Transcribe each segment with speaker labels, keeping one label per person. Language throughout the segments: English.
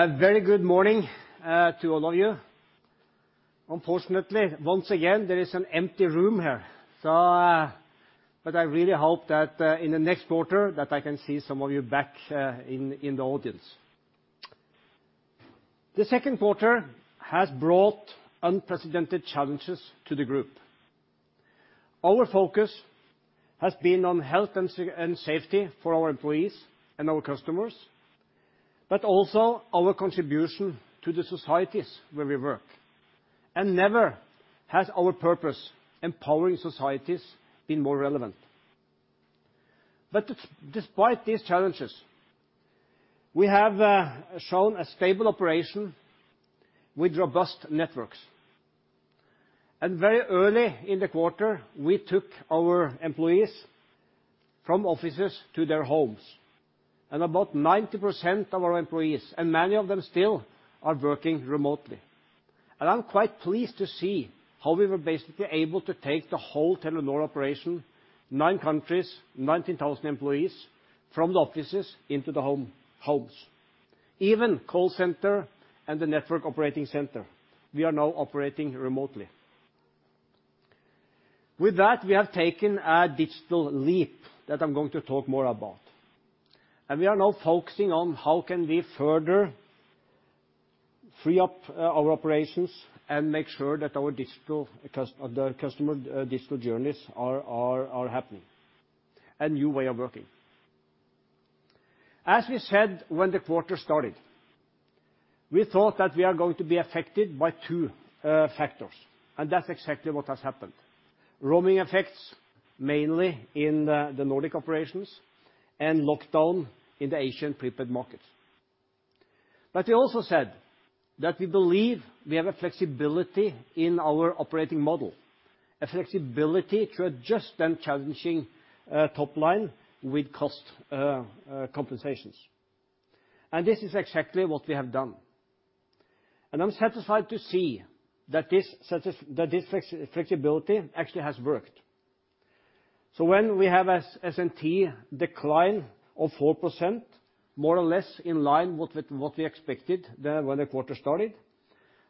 Speaker 1: A very good morning to all of you. Unfortunately, once again, there is an empty room here. I really hope that in the next quarter that I can see some of you back in the audience. The second quarter has brought unprecedented challenges to the group. Our focus has been on health and safety for our employees and our customers, but also our contribution to the societies where we work, and never has our purpose, empowering societies, been more relevant. Despite these challenges, we have shown a stable operation with robust networks. Very early in the quarter, we took our employees from offices to their homes. About 90% of our employees, and many of them still are working remotely. I'm quite pleased to see how we were basically able to take the whole Telenor operation, nine countries, 19,000 employees, from the offices into the homes. Even call center and the network operating center, we are now operating remotely. With that, we have taken a digital leap that I'm going to talk more about, and we are now focusing on how can we further free up our operations and make sure that our customer digital journeys are happening, a new way of working. As we said, when the quarter started, we thought that we are going to be affected by two factors, and that's exactly what has happened. Roaming effects, mainly in the Nordic operations, and lockdown in the Asian prepaid markets. We also said that we believe we have a flexibility in our operating model, a flexibility to adjust then challenging top line with cost compensations. This is exactly what we have done. I'm satisfied to see that this flexibility actually has worked. When we have S&T decline of 4%, more or less in line with what we expected when the quarter started,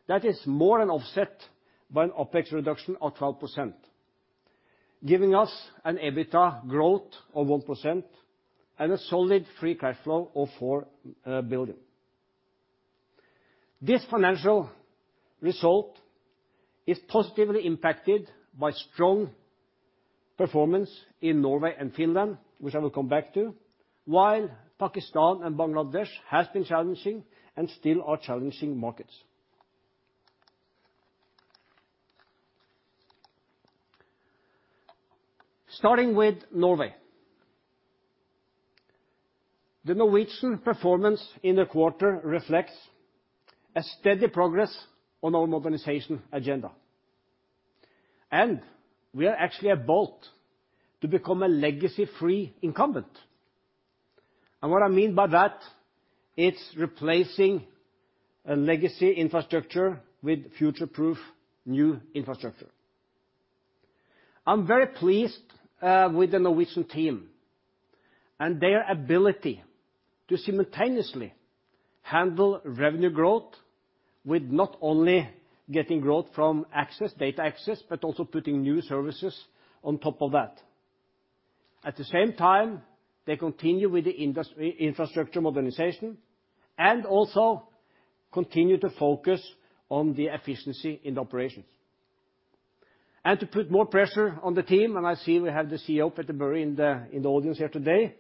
Speaker 1: that is more than offset by an OpEx reduction of 12%, giving us an EBITDA growth of 1% and a solid free cash flow of 4 billion. This financial result is positively impacted by strong performance in Norway and Finland, which I will come back to. While Pakistan and Bangladesh has been challenging and still are challenging markets. Starting with Norway. The Norwegian performance in the quarter reflects a steady progress on our modernization agenda. We are actually about to become a legacy-free incumbent. What I mean by that, it's replacing a legacy infrastructure with future-proof new infrastructure. I am very pleased with the Norwegian team and their ability to simultaneously handle revenue growth with not only getting growth from data access, but also putting new services on top of that. At the same time, they continue with the infrastructure modernization and also continue to focus on the efficiency in the operations. To put more pressure on the team, and I see we have the CEO, Petter Børre, in the audience here today,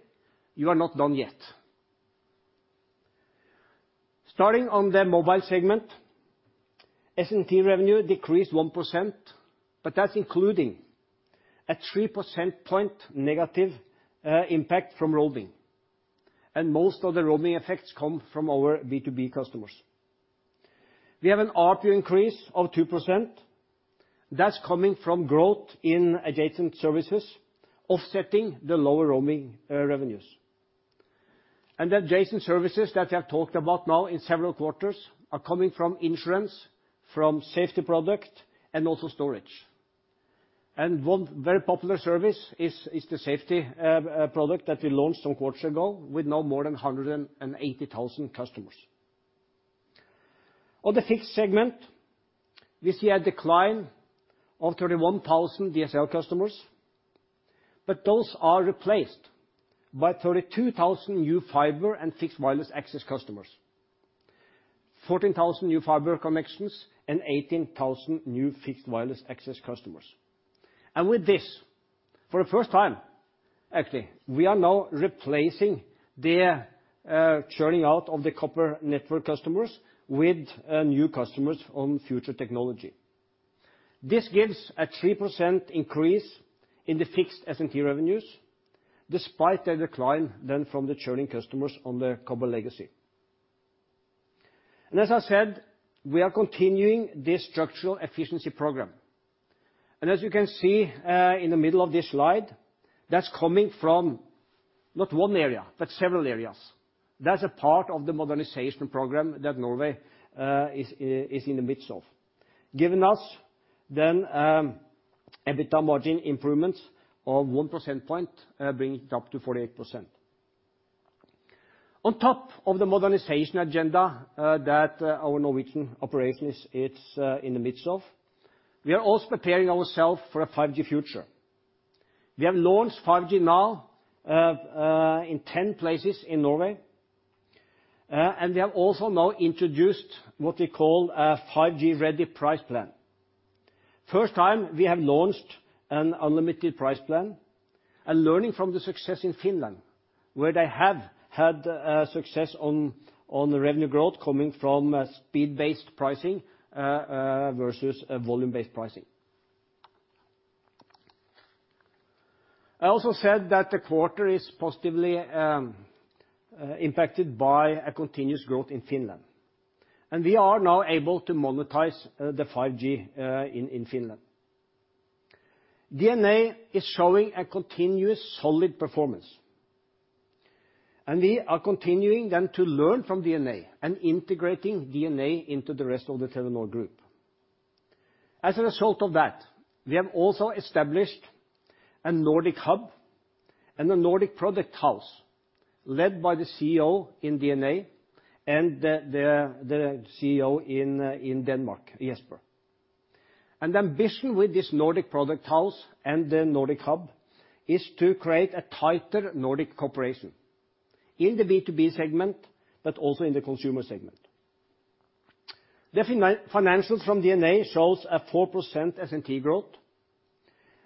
Speaker 1: you are not done yet. Starting on the mobile segment, S&T revenue decreased 1%. That's including a 3% point negative impact from roaming, and most of the roaming effects come from our B2B customers. We have an ARPU increase of 2% that's coming from growth in adjacent services offsetting the lower roaming revenues. The adjacent services that I have talked about now in several quarters are coming from insurance, from safety product, and also storage. One very popular service is the safety product that we launched some quarters ago with now more than 180,000 customers. On the fixed segment, we see a decline of 31,000 DSL customers, but those are replaced by 32,000 new fiber and fixed wireless access customers, 14,000 new fiber connections, and 18,000 new fixed wireless access customers. With this, for the first time actually, we are now replacing the churning out of the copper network customers with new customers on future technology. This gives a 3% increase in the fixed S&T revenues, despite a decline then from the churning customers on the copper legacy. As I said, we are continuing this structural efficiency program. As you can see in the middle of this slide, that's coming from not one area, but several areas. That's a part of the modernization program that Norway is in the midst of, giving us then EBITDA margin improvements of 1% point, bringing it up to 48%. On top of the modernization agenda that our Norwegian operations it's in the midst of, we are also preparing ourselves for a 5G future. We have launched 5G now in 10 places in Norway, and we have also now introduced what we call a 5G-ready price plan. First time we have launched an unlimited price plan, and learning from the success in Finland, where they have had success on the revenue growth coming from speed-based pricing versus volume-based pricing. I also said that the quarter is positively impacted by a continuous growth in Finland, and we are now able to monetize the 5G in Finland. DNA is showing a continuous solid performance, and we are continuing then to learn from DNA and integrating DNA into the rest of the Telenor Group. As a result of that, we have also established a Nordic Hub and the Nordic Product House led by the CEO in DNA and the CEO in Denmark, Jukka. The ambition with this Nordic Product House and the Nordic Hub is to create a tighter Nordic cooperation in the B2B segment, but also in the consumer segment. The financials from DNA shows a 4% S&T growth.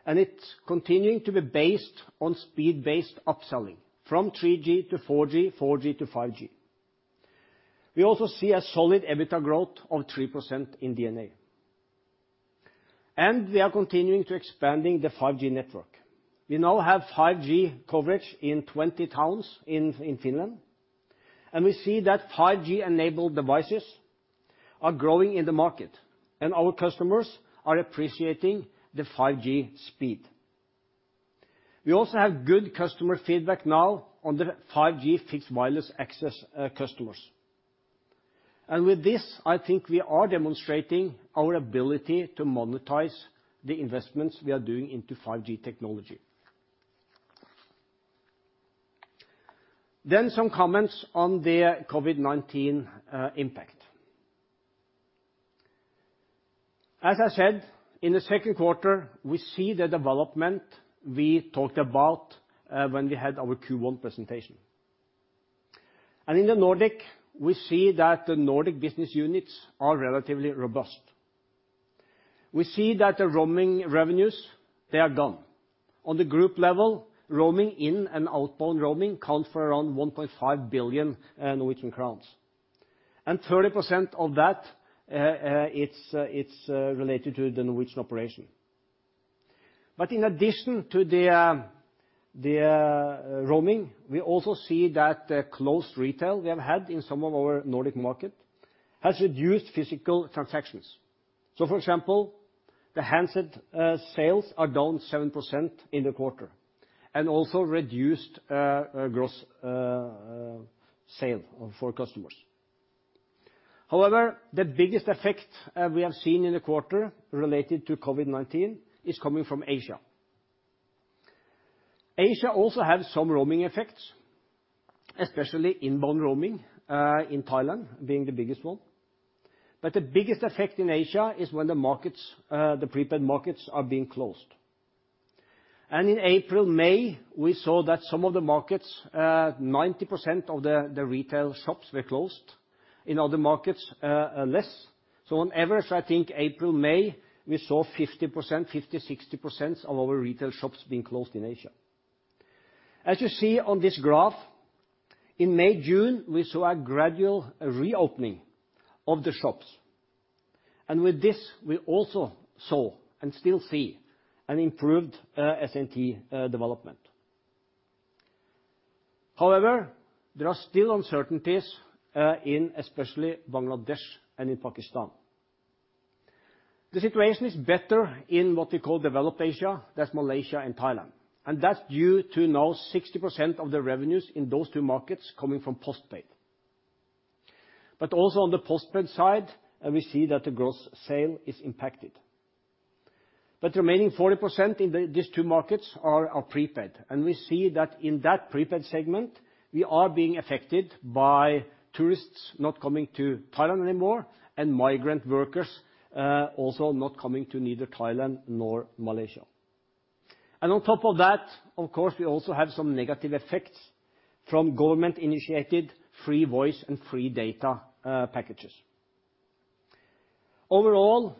Speaker 1: It's continuing to be based on speed-based upselling from 3G to 4G to 5G. We also see a solid EBITDA growth of 3% in DNA. We are continuing to expanding the 5G network. We now have 5G coverage in 20 towns in Finland, and we see that 5G-enabled devices are growing in the market, and our customers are appreciating the 5G speed. We also have good customer feedback now on the 5G fixed wireless access customers. With this, I think we are demonstrating our ability to monetize the investments we are doing into 5G technology. Some comments on the COVID-19 impact. As I said, in the second quarter, we see the development we talked about when we had our Q1 presentation. In the Nordic, we see that the Nordic business units are relatively robust. We see that the roaming revenues, they are gone. On the group level, roaming in and outbound roaming account for around 1.5 billion Norwegian crowns, and 30% of that, it's related to the Norwegian operation. In addition to the roaming, we also see that the closed retail we have had in some of our Nordic market has reduced physical transactions. For example, the handset sales are down 7% in the quarter, and also reduced gross sale for customers. However, the biggest effect we have seen in the quarter related to COVID-19 is coming from Asia. Asia also had some roaming effects, especially inbound roaming, in Thailand being the biggest one. The biggest effect in Asia is when the prepaid markets are being closed. In April, May, we saw that some of the markets, 90% of the retail shops were closed. In other markets, less. On average, I think April, May, we saw 50%-60% of our retail shops being closed in Asia. As you see on this graph, in May, June, we saw a gradual reopening of the shops. With this we also saw and still see an improved S&T development. However, there are still uncertainties in especially Bangladesh and in Pakistan. The situation is better in what we call developed Asia, that's Malaysia and Thailand, and that's due to now 60% of the revenues in those two markets coming from postpaid. Also on the postpaid side, we see that the gross sale is impacted. The remaining 40% in these two markets are prepaid, and we see that in that prepaid segment, we are being affected by tourists not coming to Thailand anymore and migrant workers also not coming to neither Thailand nor Malaysia. On top of that, of course, we also have some negative effects from government-initiated free voice and free data packages. Overall,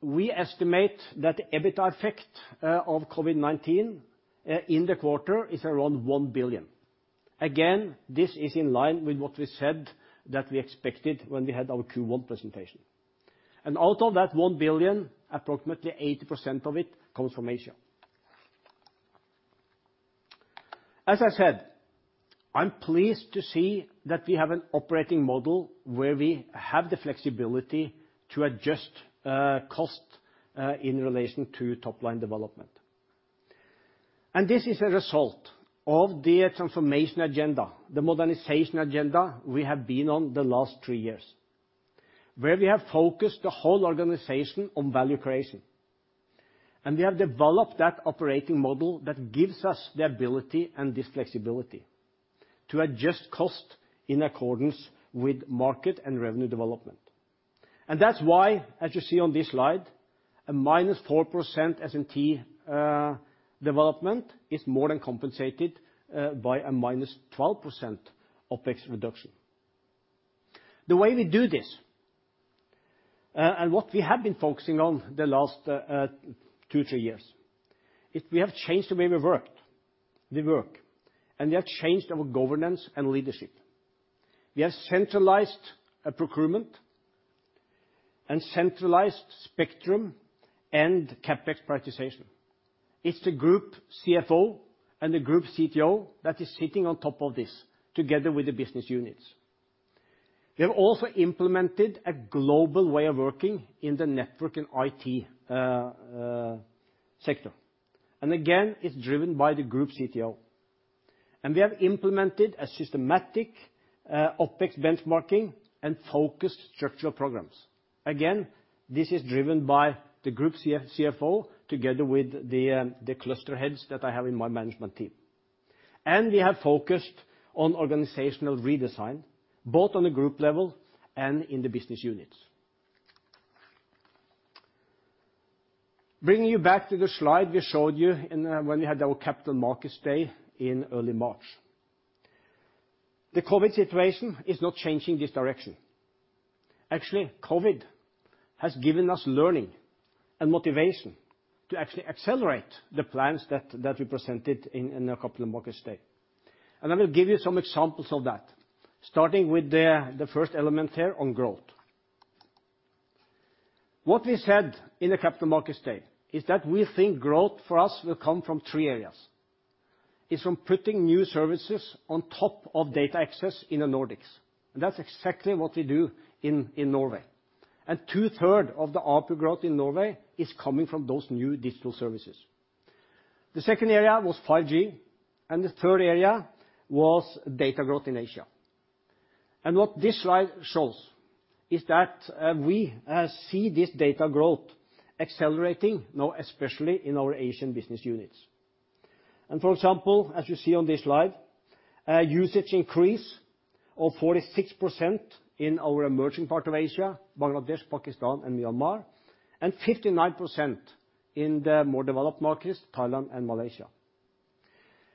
Speaker 1: we estimate that the EBITDA effect of COVID-19 in the quarter is around 1 billion. This is in line with what we said that we expected when we had our Q1 presentation. Out of that 1 billion, approximately 80% of it comes from Asia. As I said, I'm pleased to see that we have an operating model where we have the flexibility to adjust cost in relation to top-line development. This is a result of the transformation agenda, the modernization agenda we have been on the last three years, where we have focused the whole organization on value creation. We have developed that operating model that gives us the ability and the flexibility to adjust cost in accordance with market and revenue development. That's why, as you see on this slide, a minus 4% S&T development is more than compensated by a minus 12% OpEx reduction. The way we do this, and what we have been focusing on the last two, three years, is we have changed the way we work, and we have changed our governance and leadership. We have centralized procurement and centralized spectrum and CapEx prioritization. It's the group CFO and the group CTO that is sitting on top of this, together with the business units. We have also implemented a global way of working in the network and IT sector. Again, it's driven by the group CTO. We have implemented a systematic OpEx benchmarking and focused structural programs. Again, this is driven by the group CFO together with the cluster heads that I have in my management team. We have focused on organizational redesign, both on the group level and in the business units. Bringing you back to the slide we showed you when we had our Capital Markets Day in early March. The COVID situation is not changing this direction. Actually, COVID has given us learning and motivation to actually accelerate the plans that we presented in the Capital Markets Day. I will give you some examples of that, starting with the first element here on growth. What we said in the Capital Markets Day is that we think growth for us will come from three areas. It's from putting new services on top of data access in the Nordics, and that's exactly what we do in Norway. Two-third of the ARPU growth in Norway is coming from those new digital services. The second area was 5G, and the third area was data growth in Asia. What this slide shows is that we see this data growth accelerating now especially in our Asian business units. For example, as you see on this slide, a usage increase of 46% in our emerging part of Asia, Bangladesh, Pakistan, and Myanmar, and 59% in the more developed markets, Thailand and Malaysia.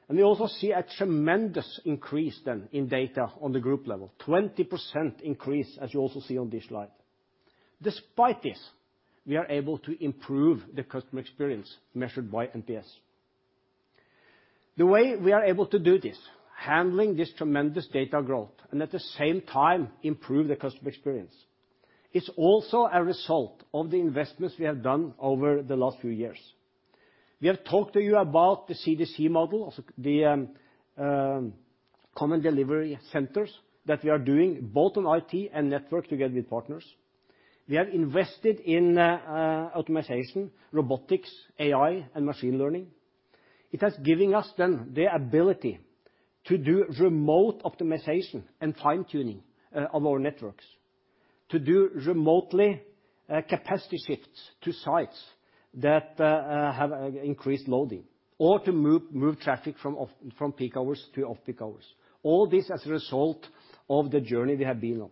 Speaker 1: We also see a tremendous increase then in data on the group level, 20% increase, as you also see on this slide. Despite this, we are able to improve the customer experience measured by NPS. The way we are able to do this, handling this tremendous data growth and at the same time improve the customer experience, it's also a result of the investments we have done over the last few years. We have talked to you about the CDC model, the Common Delivery Centers that we are doing both on IT and network together with partners. We have invested in optimization, robotics, AI, and machine learning. It has given us then the ability to do remote optimization and fine-tuning of our networks, to do remotely capacity shifts to sites that have increased loading or to move traffic from peak hours to off-peak hours. All this as a result of the journey we have been on.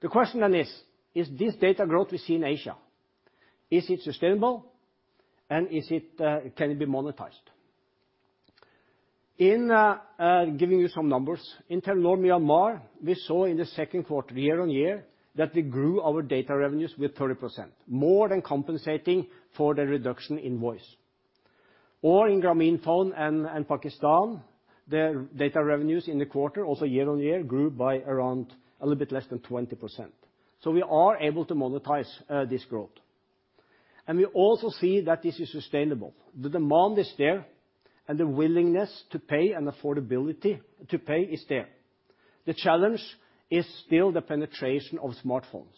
Speaker 1: The question then is this data growth we see in Asia, is it sustainable and can it be monetized? Giving you some numbers. In Telenor Myanmar, we saw in the second quarter, year on year, that we grew our data revenues with 30%, more than compensating for the reduction in voice. In Grameenphone and Pakistan, their data revenues in the quarter, also year-on-year, grew by around a little bit less than 20%. We are able to monetize this growth. We also see that this is sustainable. The demand is there, and the willingness to pay and affordability to pay is there. The challenge is still the penetration of smartphones.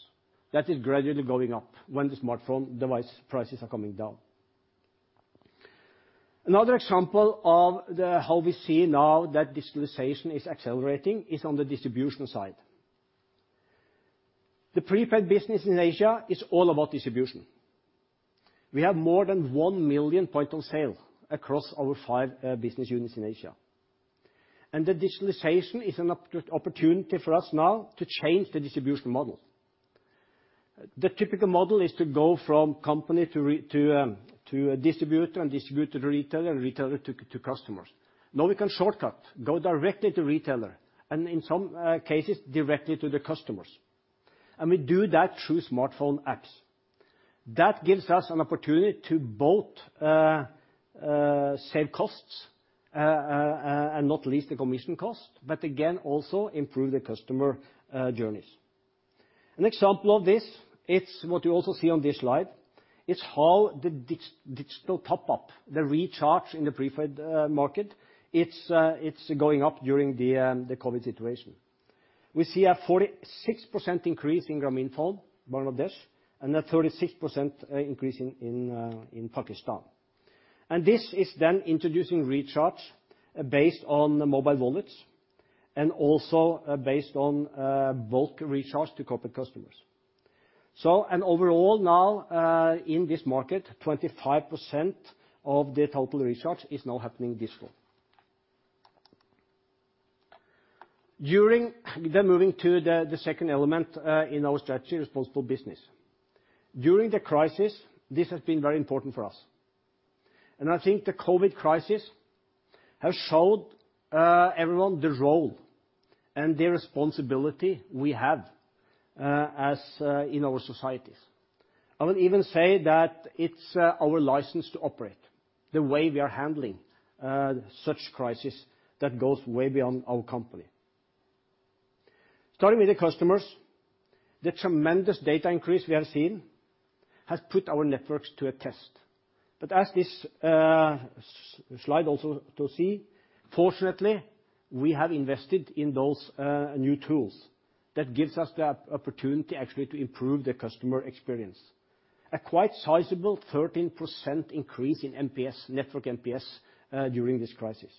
Speaker 1: That is gradually going up when the smartphone device prices are coming down. Another example of how we see now that digitalization is accelerating is on the distribution side. The prepaid business in Asia is all about distribution. We have more than 1 million point of sale across our five business units in Asia. The digitalization is an opportunity for us now to change the distribution model. The typical model is to go from company to distributor and distributor to retailer, and retailer to customers. Now we can shortcut, go directly to retailer, and in some cases, directly to the customers, and we do that through smartphone apps. That gives us an opportunity to both save costs, and not least the commission cost, but again, also improve the customer journeys. An example of this, it's what you also see on this slide, it's how the digital top-up, the recharge in the prepaid market, it's going up during the COVID situation. We see a 46% increase in Grameenphone, Bangladesh, and a 36% increase in Pakistan. This is then introducing recharge based on mobile wallets and also based on bulk recharge to corporate customers. Overall now, in this market, 25% of the total recharge is now happening digital. Moving to the second element in our strategy, responsible business. During the crisis, this has been very important for us. I think the COVID crisis has showed everyone the role and the responsibility we have in our societies. I would even say that it’s our license to operate, the way we are handling such crisis that goes way beyond our company. Starting with the customers, the tremendous data increase we have seen has put our networks to a test. As this slide also to see, fortunately, we have invested in those new tools that gives us the opportunity actually to improve the customer experience. A quite sizable 13% increase in network NPS during this crisis.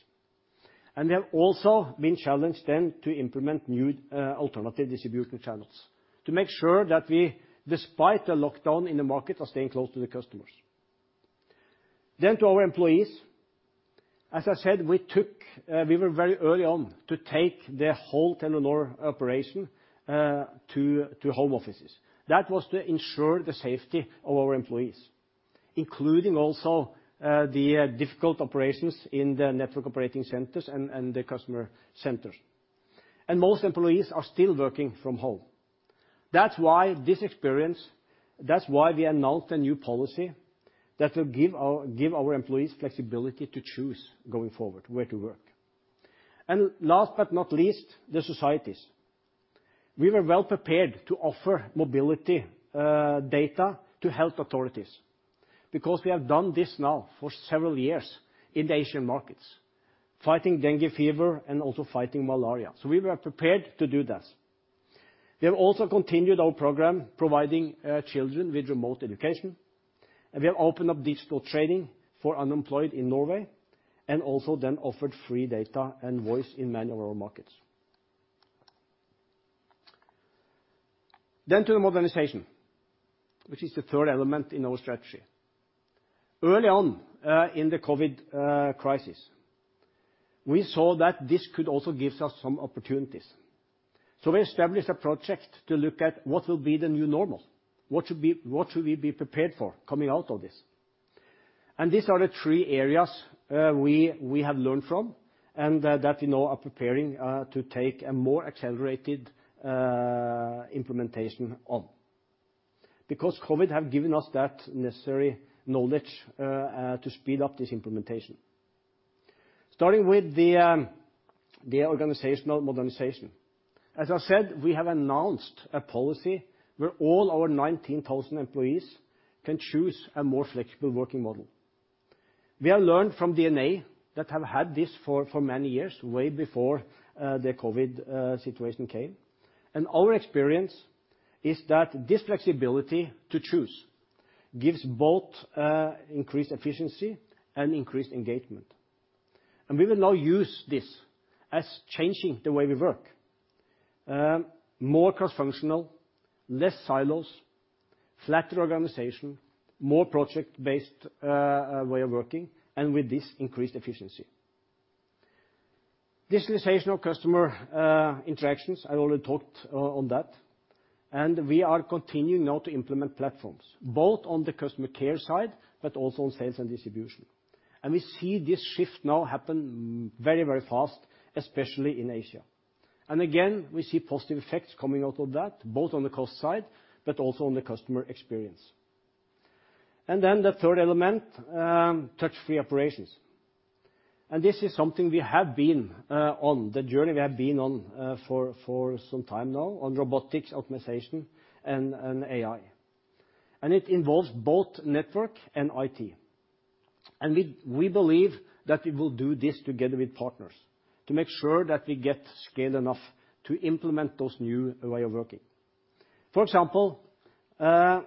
Speaker 1: We have also been challenged then to implement new alternative distribution channels to make sure that we, despite the lockdown in the market, are staying close to the customers. To our employees, as I said, we were very early on to take the whole Telenor operation to home offices. That was to ensure the safety of our employees, including also the difficult operations in the network operating centers and the customer centers. Most employees are still working from home. That's why we announced a new policy that will give our employees flexibility to choose going forward where to work. Last but not least, the societies. We were well-prepared to offer mobility data to health authorities because we have done this now for several years in the Asian markets, fighting dengue fever and also fighting malaria. We were prepared to do that. We have also continued our program providing children with remote education, and we have opened up digital training for unemployed in Norway, and also then offered free data and voice in many of our markets. To the modernization, which is the third element in our strategy. Early on in the COVID crisis, we saw that this could also give us some opportunities. We established a project to look at what will be the new normal, what should we be prepared for coming out of this? These are the three areas we have learned from and that we now are preparing to take a more accelerated implementation on. COVID has given us that necessary knowledge to speed up this implementation. Starting with the organizational modernization. As I said, we have announced a policy where all our 19,000 employees can choose a more flexible working model. We have learned from DNA that have had this for many years, way before the COVID situation came. Our experience is that this flexibility to choose gives both increased efficiency and increased engagement. We will now use this as changing the way we work. More cross-functional, less silos, flatter organization, more project-based way of working, and with this, increased efficiency. Digitalization of customer interactions, I already talked on that. We are continuing now to implement platforms, both on the customer care side, but also on sales and distribution. We see this shift now happen very, very fast, especially in Asia. Again, we see positive effects coming out of that, both on the cost side, but also on the customer experience. Then the third element, touch-free operations. This is something we have been on, the journey we have been on for some time now on robotics, automation, and AI. It involves both network and IT. We believe that we will do this together with partners to make sure that we get scaled enough to implement those new way of working. For example,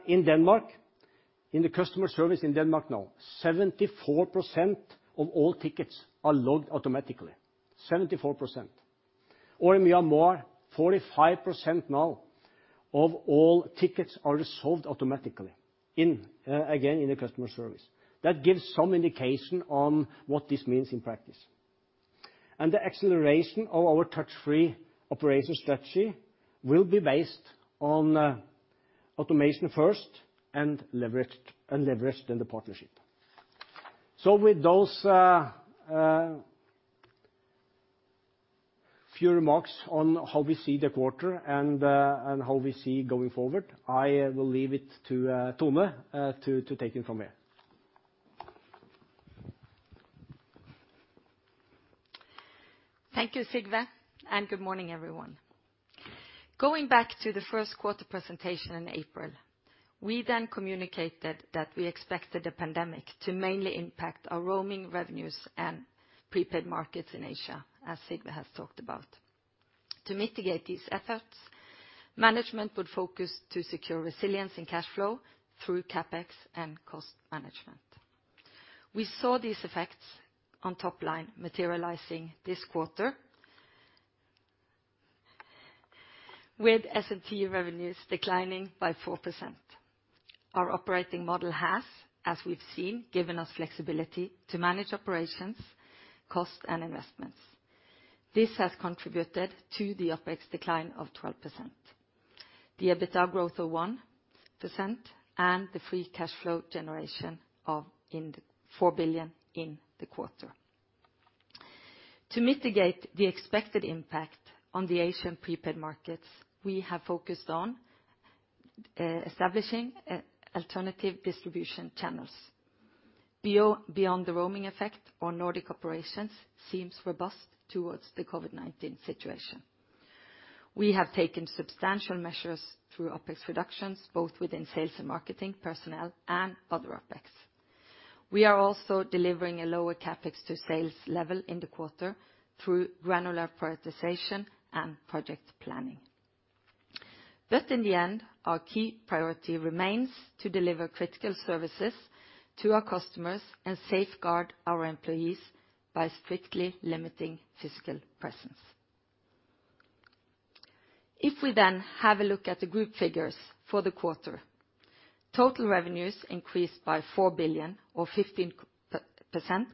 Speaker 1: in Denmark, in the customer service in Denmark now, 74% of all tickets are logged automatically. 74%. In Myanmar, 45% now of all tickets are resolved automatically, again, in the customer service. That gives some indication on what this means in practice. The acceleration of our touch-free operation strategy will be based on automation first and leveraged in the partnership. With those few remarks on how we see the quarter and how we see going forward, I will leave it to Tone to take it from here.
Speaker 2: Thank you, Sigve, and good morning, everyone. Going back to the first quarter presentation in April. We communicated that we expected the pandemic to mainly impact our roaming revenues and prepaid markets in Asia, as Sigve has talked about. To mitigate these effects, management would focus to secure resilience in cash flow through CapEx and cost management. We saw these effects on top line materializing this quarter, with S&T revenues declining by 4%. Our operating model has, as we've seen, given us flexibility to manage operations, costs, and investments. This has contributed to the OpEx decline of 12%, the EBITDA growth of 1%, and the free cash flow generation of 4 billion in the quarter. To mitigate the expected impact on the Asian prepaid markets, we have focused on establishing alternative distribution channels. Beyond the roaming effect, our Nordic operations seems robust towards the COVID-19 situation. We have taken substantial measures through OpEx reductions, both within sales and marketing, personnel, and other OpEx. We are also delivering a lower CapEx to sales level in the quarter through granular prioritization and project planning. In the end, our key priority remains to deliver critical services to our customers and safeguard our employees by strictly limiting physical presence. If we then have a look at the group figures for the quarter, total revenues increased by 4 billion or 15%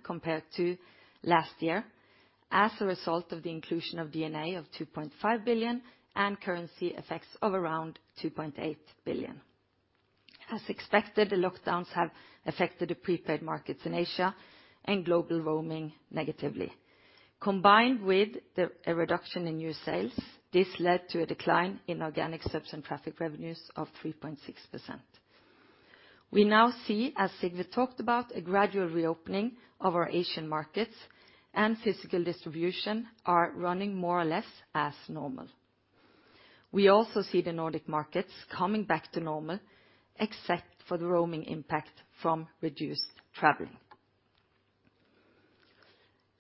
Speaker 2: compared to last year, as a result of the inclusion of DNA of 2.5 billion and currency effects of around 2.8 billion. As expected, the lockdowns have affected the prepaid markets in Asia and global roaming negatively. Combined with a reduction in new sales, this led to a decline in organic subs and traffic revenues of 3.6%. We now see, as Sigve talked about, a gradual reopening of our Asian markets and physical distribution are running more or less as normal. We also see the Nordic markets coming back to normal, except for the roaming impact from reduced traveling.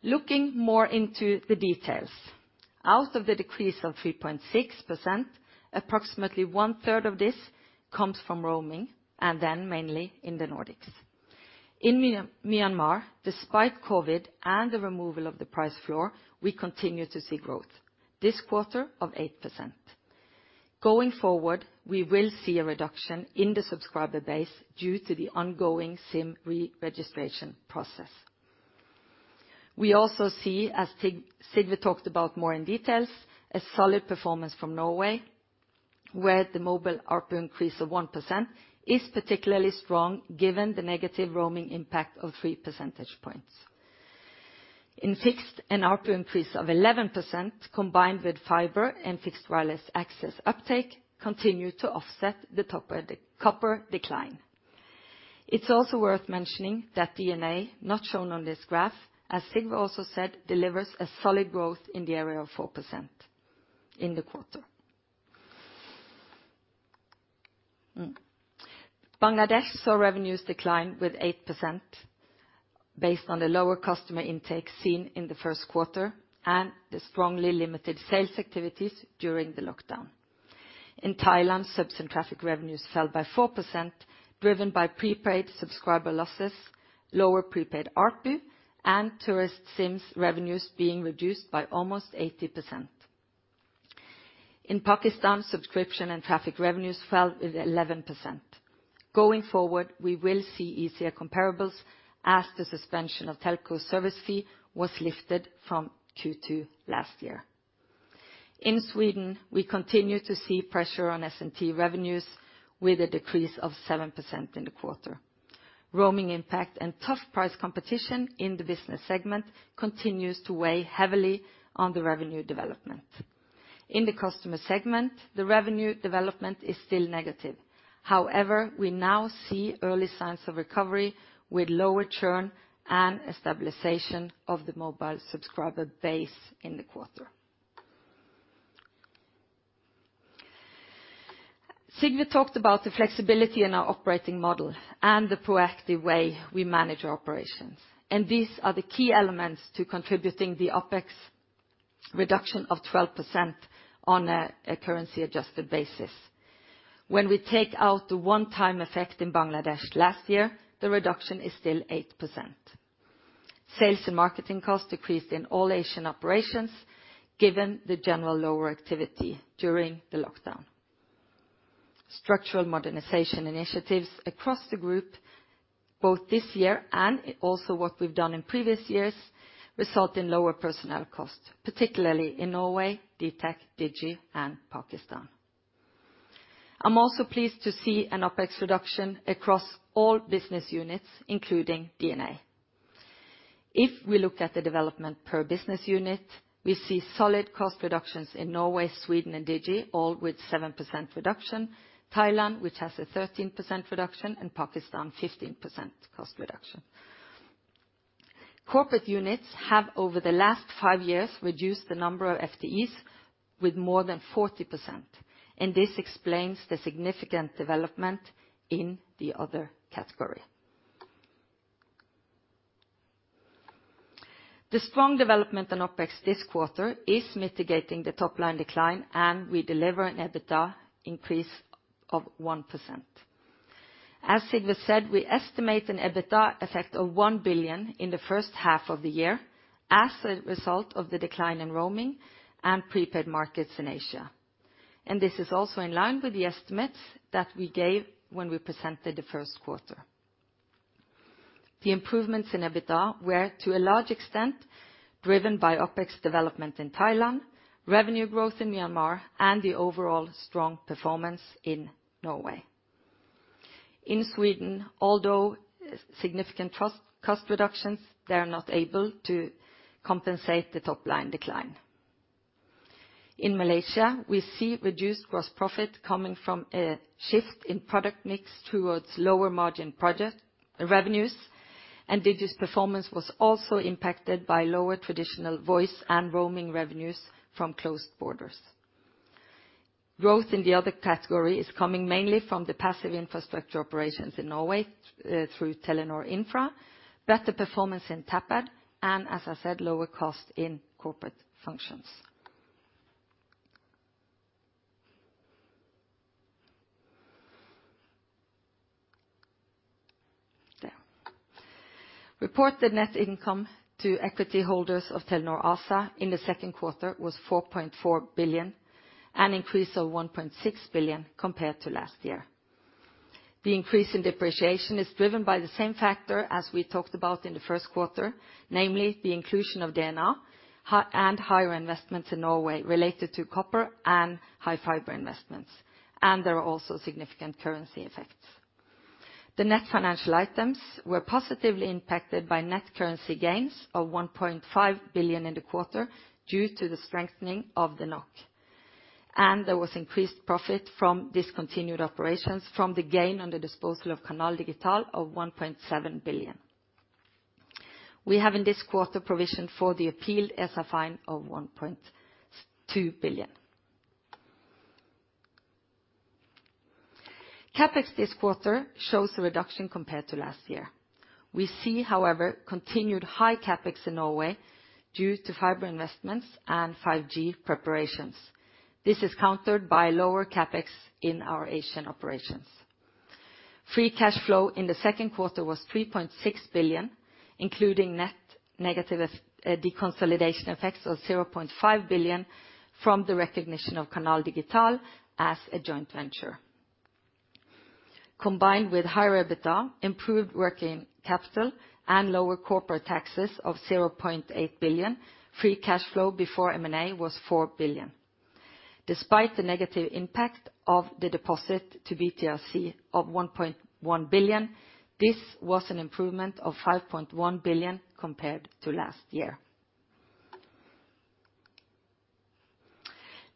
Speaker 2: Looking more into the details, out of the decrease of 3.6%, approximately one-third of this comes from roaming, and then mainly in the Nordics. In Myanmar, despite COVID and the removal of the price floor, we continue to see growth, this quarter of 8%. Going forward, we will see a reduction in the subscriber base due to the ongoing SIM reregistration process. We also see, as Sigve talked about more in details, a solid performance from Norway, where the mobile ARPU increase of 1% is particularly strong given the negative roaming impact of three percentage points. In fixed, an ARPU increase of 11%, combined with fiber and fixed wireless access uptake, continue to offset the copper decline. It's also worth mentioning that DNA, not shown on this graph, as Sigve also said, delivers a solid growth in the area of 4% in the quarter. Bangladesh saw revenues decline with 8%, based on the lower customer intake seen in the first quarter, and the strongly limited sales activities during the lockdown. In Thailand, subs and traffic revenues fell by 4%, driven by prepaid subscriber losses, lower prepaid ARPU, and tourist SIMs revenues being reduced by almost 80%. In Pakistan, subscription and traffic revenues fell 11%. Going forward, we will see easier comparables as the suspension of telco service fee was lifted from Q2 last year. In Sweden, we continue to see pressure on S&T revenues with a decrease of 7% in the quarter. Roaming impact and tough price competition in the business segment continues to weigh heavily on the revenue development. In the customer segment, the revenue development is still negative. We now see early signs of recovery with lower churn and a stabilization of the mobile subscriber base in the quarter. Sigve talked about the flexibility in our operating model and the proactive way we manage our operations, these are the key elements to contributing the OpEx reduction of 12% on a currency-adjusted basis. When we take out the one-time effect in Bangladesh last year, the reduction is still 8%. Sales and marketing costs decreased in all Asian operations, given the general lower activity during the lockdown. Structural modernization initiatives across the group, both this year and also what we've done in previous years, result in lower personnel costs, particularly in Norway, DTAC, Digi, and Pakistan. I'm also pleased to see an OpEx reduction across all business units, including DNA. If we look at the development per business unit, we see solid cost reductions in Norway, Sweden, and Digi, all with 7% reduction, Thailand, which has a 13% reduction, and Pakistan 15% cost reduction. Corporate units have, over the last five years, reduced the number of FTEs with more than 40%, and this explains the significant development in the other category. The strong development in OpEx this quarter is mitigating the top-line decline, and we deliver an EBITDA increase of 1%. As Sigve said, we estimate an EBITDA effect of 1 billion in the first half of the year as a result of the decline in roaming and prepaid markets in Asia. This is also in line with the estimates that we gave when we presented the first quarter. The improvements in EBITDA were, to a large extent, driven by OpEx development in Thailand, revenue growth in Myanmar, and the overall strong performance in Norway. In Sweden, although significant cost reductions, they are not able to compensate the top-line decline. In Malaysia, we see reduced gross profit coming from a shift in product mix towards lower margin project revenues, and Digi's performance was also impacted by lower traditional voice and roaming revenues from closed borders. Growth in the other category is coming mainly from the passive infrastructure operations in Norway through Telenor Infra, better performance in Tapad, and, as I said, lower cost in corporate functions. There. Reported net income to equity holders of Telenor ASA in the second quarter was 4.4 billion, an increase of 1.6 billion compared to last year. The increase in depreciation is driven by the same factor as we talked about in the first quarter, namely the inclusion of DNA and higher investments in Norway related to copper and high fiber investments, and there are also significant currency effects. The net financial items were positively impacted by net currency gains of 1.5 billion in the quarter due to the strengthening of the NOK, and there was increased profit from discontinued operations from the gain on the disposal of Canal Digital of 1.7 billion. We have in this quarter provisioned for the appealed ESA fine of 1.2 billion. CapEx this quarter shows a reduction compared to last year. We see, however, continued high CapEx in Norway due to fiber investments and 5G preparations. This is countered by lower CapEx in our Asian operations. Free cash flow in the second quarter was 3.6 billion, including net negative deconsolidation effects of 0.5 billion from the recognition of Canal Digital as a joint venture. Combined with higher EBITDA, improved working capital, and lower corporate taxes of 0.8 billion, free cash flow before M&A was 4 billion. Despite the negative impact of the deposit to BTRC of 1.1 billion, this was an improvement of 5.1 billion compared to last year.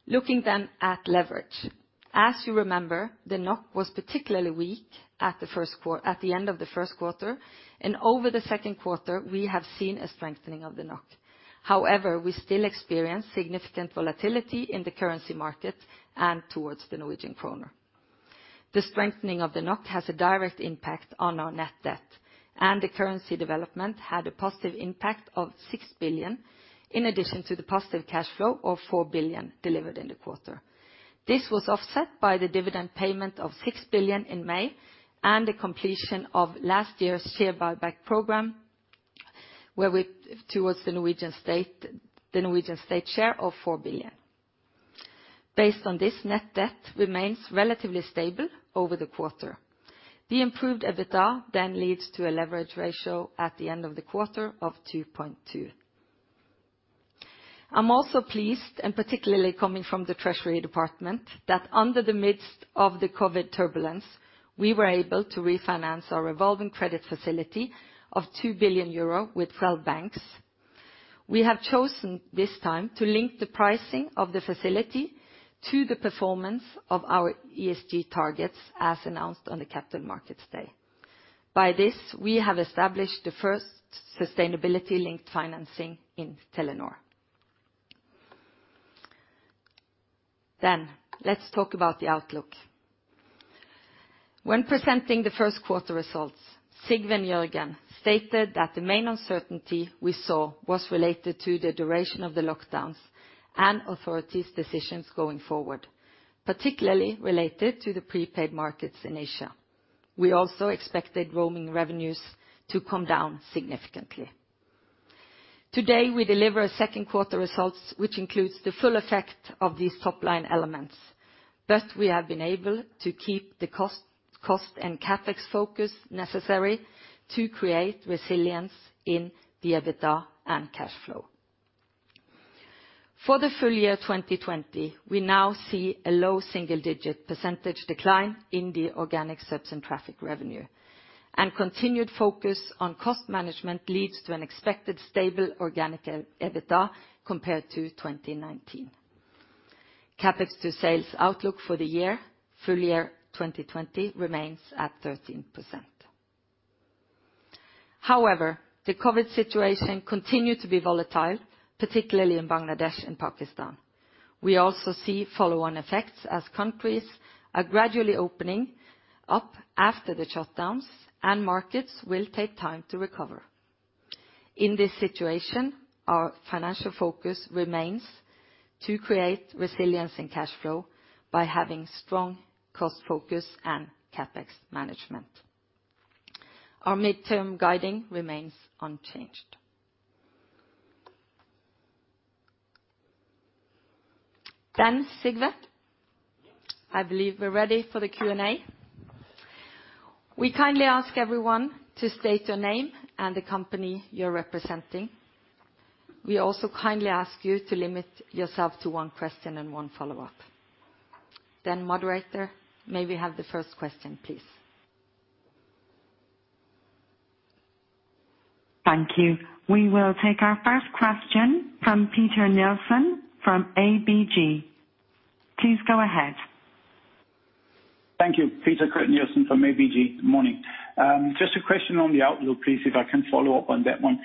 Speaker 2: Looking at leverage. As you remember, the NOK was particularly weak at the end of the first quarter, and over the second quarter, we have seen a strengthening of the NOK. We still experience significant volatility in the currency market and towards the Norwegian kroner. The strengthening of the NOK has a direct impact on our net debt, and the currency development had a positive impact of 6 billion in addition to the positive cash flow of 4 billion delivered in the quarter. This was offset by the dividend payment of 6 billion in May and the completion of last year's share buyback program towards the Norwegian state share of 4 billion. Based on this, net debt remains relatively stable over the quarter. The improved EBITDA leads to a leverage ratio at the end of the quarter of 2.2. I'm also pleased, and particularly coming from the treasury department, that under the midst of the COVID turbulence, we were able to refinance our revolving credit facility of 2 billion euro with 12 banks. We have chosen this time to link the pricing of the facility to the performance of our ESG targets as announced on the Capital Markets Day. By this, we have established the first sustainability linked financing in Telenor. Let's talk about the outlook. When presenting the first quarter results, Sigve and Jørgen stated that the main uncertainty we saw was related to the duration of the lockdowns and authorities decisions going forward, particularly related to the prepaid markets in Asia. We also expected roaming revenues to come down significantly. Today, we deliver second quarter results, which includes the full effect of these top-line elements. We have been able to keep the cost and CapEx focus necessary to create resilience in the EBITDA and cash flow. For the full year 2020, we now see a low single-digit % decline in the organic subs and traffic revenue, and continued focus on cost management leads to an expected stable organic EBITDA compared to 2019. CapEx to sales outlook for the year, full year 2020 remains at 13%. The COVID situation continued to be volatile, particularly in Bangladesh and Pakistan. We also see follow-on effects as countries are gradually opening up after the shutdowns, and markets will take time to recover. In this situation, our financial focus remains to create resilience in cash flow by having strong cost focus and CapEx management. Our midterm guiding remains unchanged. Sigve, I believe we're ready for the Q&A. We kindly ask everyone to state your name and the company you're representing. We also kindly ask you to limit yourself to one question and one follow-up. Moderator, may we have the first question, please?
Speaker 3: Thank you. We will take our first question from Peter Nielsen from ABG. Please go ahead.
Speaker 4: Thank you, Peter Nielsen from ABG. Morning. Just a question on the outlook, please, if I can follow up on that one.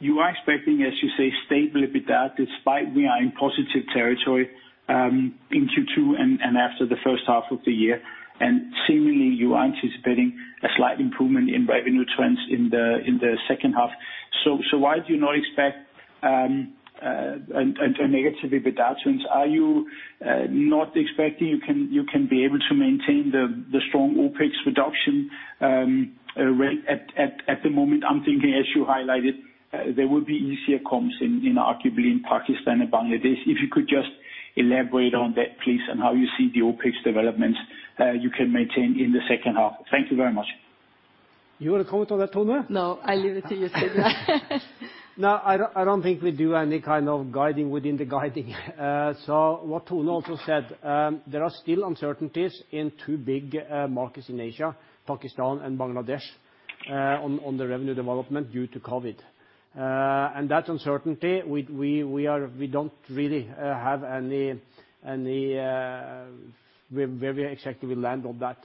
Speaker 4: You are expecting, as you say, stable EBITDA despite we are in positive territory, in Q2 and after the first half of the year, and seemingly you are anticipating a slight improvement in revenue trends in the second half. Why do you not expect a negative EBITDA trends? Are you not expecting you can be able to maintain the strong OpEx reduction, at the moment? I'm thinking, as you highlighted, there will be easier comps arguably in Pakistan and Bangladesh. If you could just elaborate on that, please, and how you see the OpEx developments you can maintain in the second half. Thank you very much.
Speaker 1: You want to comment on that, Tone?
Speaker 2: No, I leave it to you, Sigve.
Speaker 1: I don't think we do any kind of guiding within the guiding. What Tone also said, there are still uncertainties in two big markets in Asia, Pakistan and Bangladesh, on the revenue development due to COVID. That uncertainty, we don't really have any, where exactly we land on that.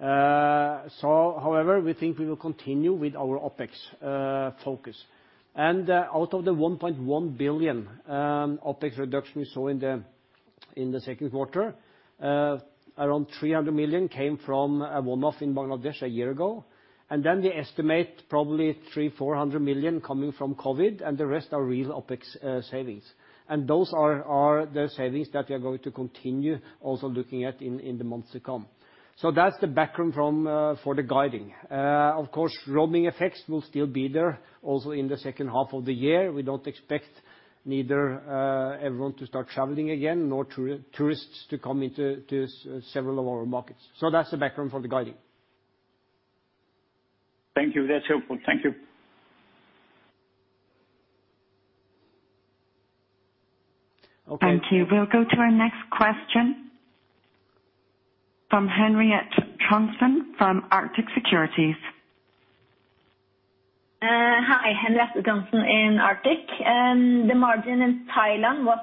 Speaker 1: However, we think we will continue with our OpEx focus. Out of the 1.1 billion OpEx reduction we saw in the second quarter, around 300 million came from a one-off in Bangladesh a year ago. Then the estimate probably 300 million-400 million coming from COVID, and the rest are real OpEx savings. Those are the savings that we are going to continue also looking at in the months to come. That's the background for the guiding. Of course, roaming effects will still be there also in the second half of the year. We don't expect neither everyone to start traveling again, nor tourists to come into several of our markets. That's the background for the guiding.
Speaker 4: Thank you. That's helpful. Thank you.
Speaker 1: Okay.
Speaker 3: Thank you. We will go to our next question from Henriette Trondsen from Arctic Securities.
Speaker 5: Hi, Henriette Trondsen in Arctic. The margin in Thailand was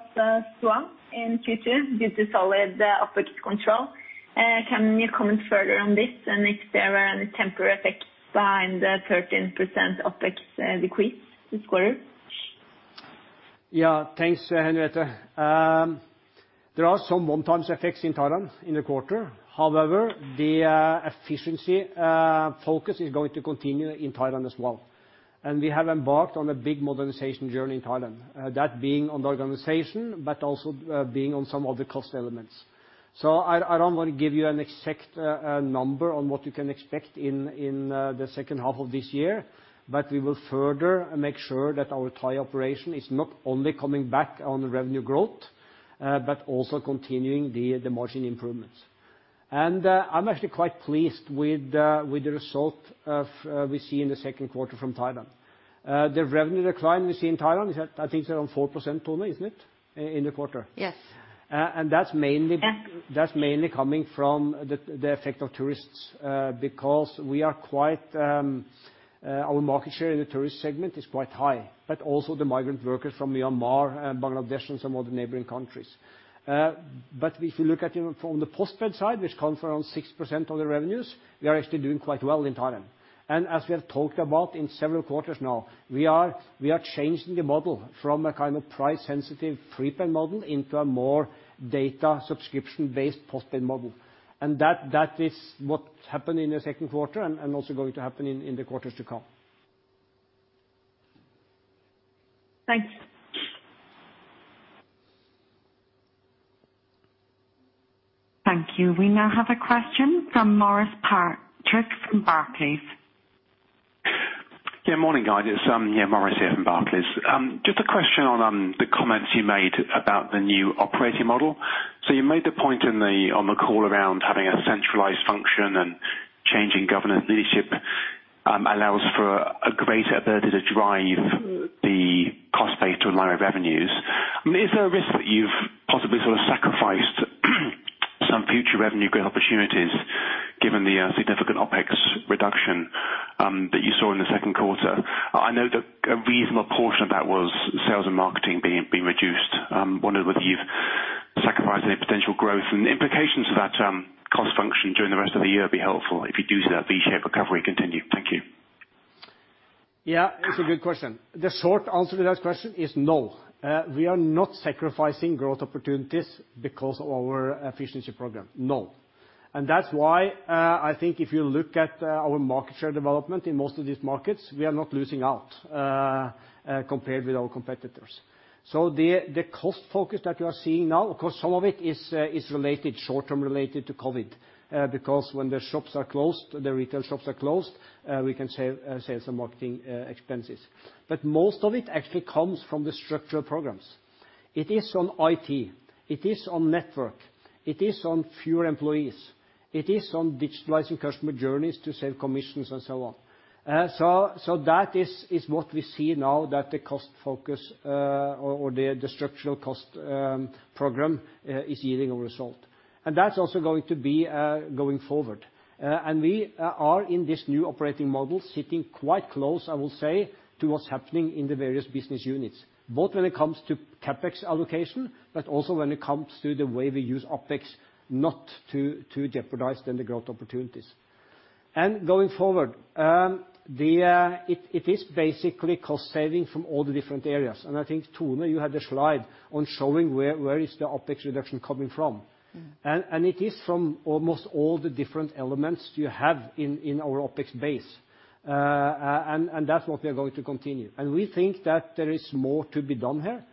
Speaker 5: strong in Q2 due to solid OpEx control. Can you comment further on this, and if there were any temporary effects behind the 13% OpEx decrease this quarter?
Speaker 1: Yeah. Thanks, Henriette. There are some one-time effects in Thailand in the quarter. However, the efficiency focus is going to continue in Thailand as well. We have embarked on a big modernization journey in Thailand, that being on the organization, but also being on some of the cost elements. I don't want to give you an exact number on what you can expect in the second half of this year, but we will further make sure that our Thai operation is not only coming back on revenue growth, but also continuing the margin improvements. I'm actually quite pleased with the result we see in the second quarter from Thailand. The revenue decline we see in Thailand is at, I think it's around 4%, Tone, isn't it, in the quarter?
Speaker 2: Yes.
Speaker 1: And that's mainly-
Speaker 2: Yeah
Speaker 1: coming from the effect of tourists, because our market share in the tourist segment is quite high. Also the migrant workers from Myanmar and Bangladesh and some of the neighboring countries. If you look at even from the postpaid side, which counts for around 6% of the revenues, we are actually doing quite well in Thailand. As we have talked about in several quarters now, we are changing the model from a price sensitive prepaid model into a more data subscription-based postpaid model. That is what happened in the second quarter and also going to happen in the quarters to come.
Speaker 5: Thanks.
Speaker 3: Thank you. We now have a question from Maurice Patrick from Barclays.
Speaker 6: Morning, guys. It's Maurice here from Barclays. Just a question on the comments you made about the new operating model. You made the point on the call around having a centralized function and changing governance leadership allows for a greater ability to drive the cost base to a line of revenues. Is there a risk that you've possibly sort of sacrificed on future revenue growth opportunities, given the significant OpEx reduction that you saw in the second quarter? I know that a reasonable portion of that was sales and marketing being reduced. I wondered whether you've sacrificed any potential growth and the implications of that cost function during the rest of the year would be helpful if you do see that V-shaped recovery continue. Thank you.
Speaker 1: Yeah, it's a good question. The short answer to that question is no. We are not sacrificing growth opportunities because of our efficiency program. No. That's why, I think if you look at our market share development in most of these markets, we are not losing out, compared with our competitors. The cost focus that we are seeing now, of course, some of it is short-term related to COVID, because when the retail shops are closed, we can save sales and marketing expenses. Most of it actually comes from the structural programs. It is on IT, it is on network, it is on fewer employees, it is on digitalizing customer journeys to save commissions and so on. That is what we see now that the cost focus, or the structural cost program is yielding a result. That's also going to be going forward. We are in this new operating model sitting quite close, I will say, to what's happening in the various business units, both when it comes to CapEx allocation, but also when it comes to the way we use OpEx, not to jeopardize then the growth opportunities. Going forward, it is basically cost saving from all the different areas, and I think, Tone, you had a slide on showing where is the OpEx reduction coming from. It is from almost all the different elements you have in our OpEx base. That's what we are going to continue. We think that there is more to be done here,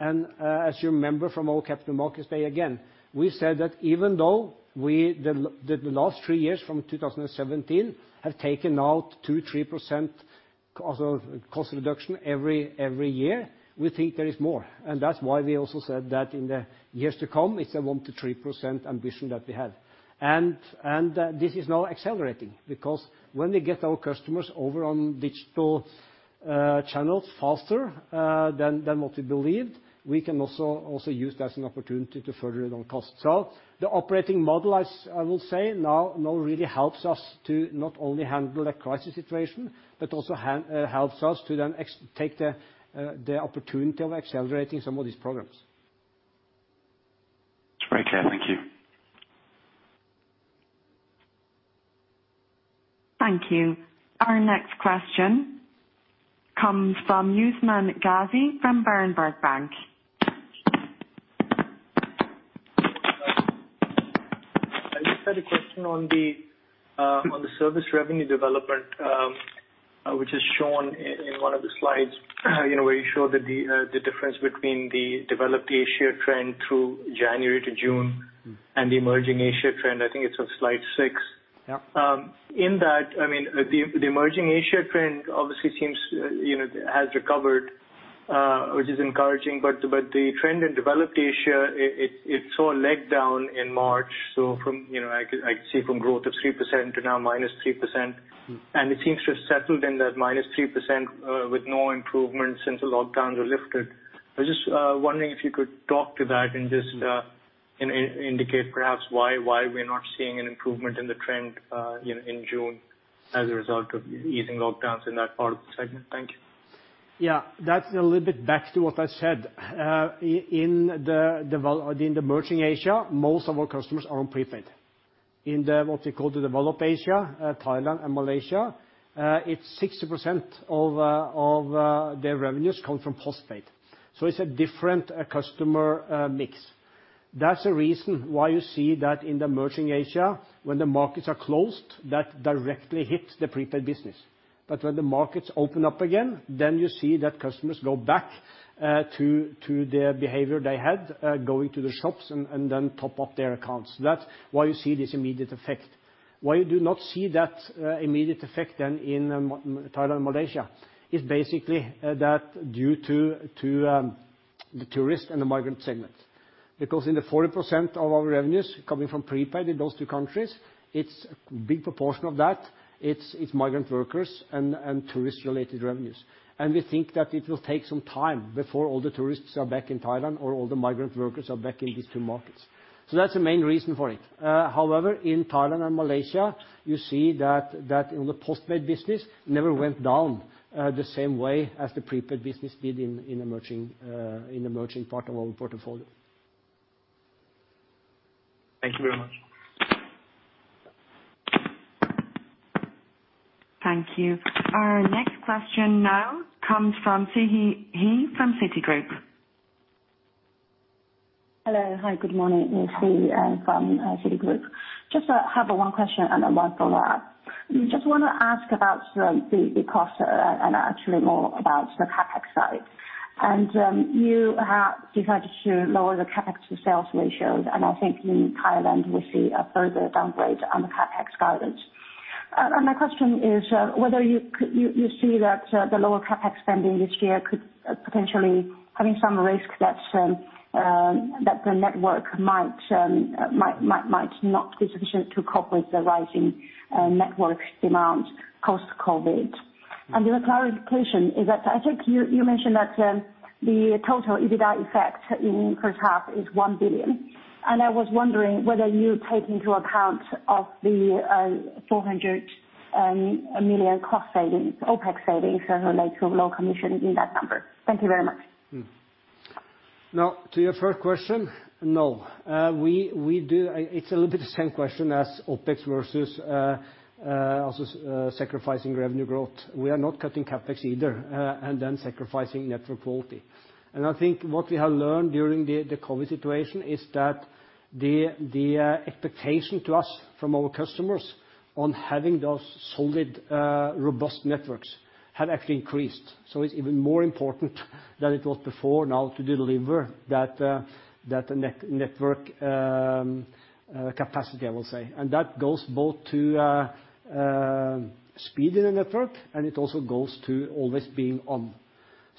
Speaker 1: and as you remember from our Capital Markets Day, again, we said that even though the last three years from 2017 have taken out 2%-3% cost reduction every year, we think there is more. That's why we also said that in the years to come, it's a 1%-3% ambition that we have. This is now accelerating because when we get our customers over on digital channels faster than what we believed, we can also use that as an opportunity to further it on cost. The operating model, I will say now really helps us to not only handle a crisis situation, but also helps us to then take the opportunity of accelerating some of these programs.
Speaker 6: It's very clear. Thank you.
Speaker 3: Thank you. Our next question comes from Usman Ghazi from Berenberg Bank.
Speaker 7: I just had a question on the service revenue development, which is shown in one of the slides where you show the difference between the developed Asia trend through January to June and the emerging Asia trend. I think it's on slide six.
Speaker 1: Yeah.
Speaker 7: In that, the emerging Asia trend obviously has recovered, which is encouraging, but the trend in developed Asia, it saw a leg down in March. I see from growth of 3% to now minus 3%. It seems to have settled in that minus 3% with no improvement since the lockdowns were lifted. I was just wondering if you could talk to that and just indicate perhaps why we're not seeing an improvement in the trend in June as a result of easing lockdowns in that part of the segment. Thank you.
Speaker 1: That's a little bit back to what I said. In the Emerging Asia, most of our customers are on prepaid. In what we call the Developed Asia, Thailand and Malaysia, it's 60% of their revenues come from postpaid. It's a different customer mix. That's the reason why you see that in the Emerging Asia, when the markets are closed, that directly hits the prepaid business. When the markets open up again, then you see that customers go back to their behavior they had, going to the shops and then top up their accounts. That's why you see this immediate effect. Why you do not see that immediate effect then in Thailand and Malaysia is basically that due to the tourist and the migrant segment. In the 40% of our revenues coming from prepaid in those two countries, a big proportion of that it's migrant workers and tourist-related revenues. We think that it will take some time before all the tourists are back in Thailand or all the migrant workers are back in these two markets. That's the main reason for it. However, in Thailand and Malaysia, you see that the postpaid business never went down the same way as the prepaid business did in the emerging part of our portfolio.
Speaker 7: Thank you very much.
Speaker 3: Thank you. Our next question now comes from Siyi He from Citigroup.
Speaker 8: Hello. Hi, good morning. It's Siyi. I'm from Citigroup. Just have one question and one follow-up. Just want to ask about the cost and actually more about the CapEx side. You have decided to lower the CapEx to sales ratios, and I think in Thailand, we see a further downgrade on the CapEx guidance. My question is whether you see that the lower CapEx spending this year could potentially having some risk that the network might not be sufficient to cope with the rising network demand post-COVID. The clarification is that I think you mentioned that the total EBITDA effect in first half is 1 billion, and I was wondering whether you take into account of the 400 million cost savings, OpEx savings related to low commission in that number. Thank you very much.
Speaker 1: To your first question, no. It's a little bit the same question as OpEx versus also sacrificing revenue growth. We are not cutting CapEx either, sacrificing network quality. I think what we have learned during the COVID situation is that the expectation to us from our customers on having those solid, robust networks have actually increased. It's even more important than it was before now to deliver that network capacity, I will say. That goes both to speed in the network and it also goes to always being on.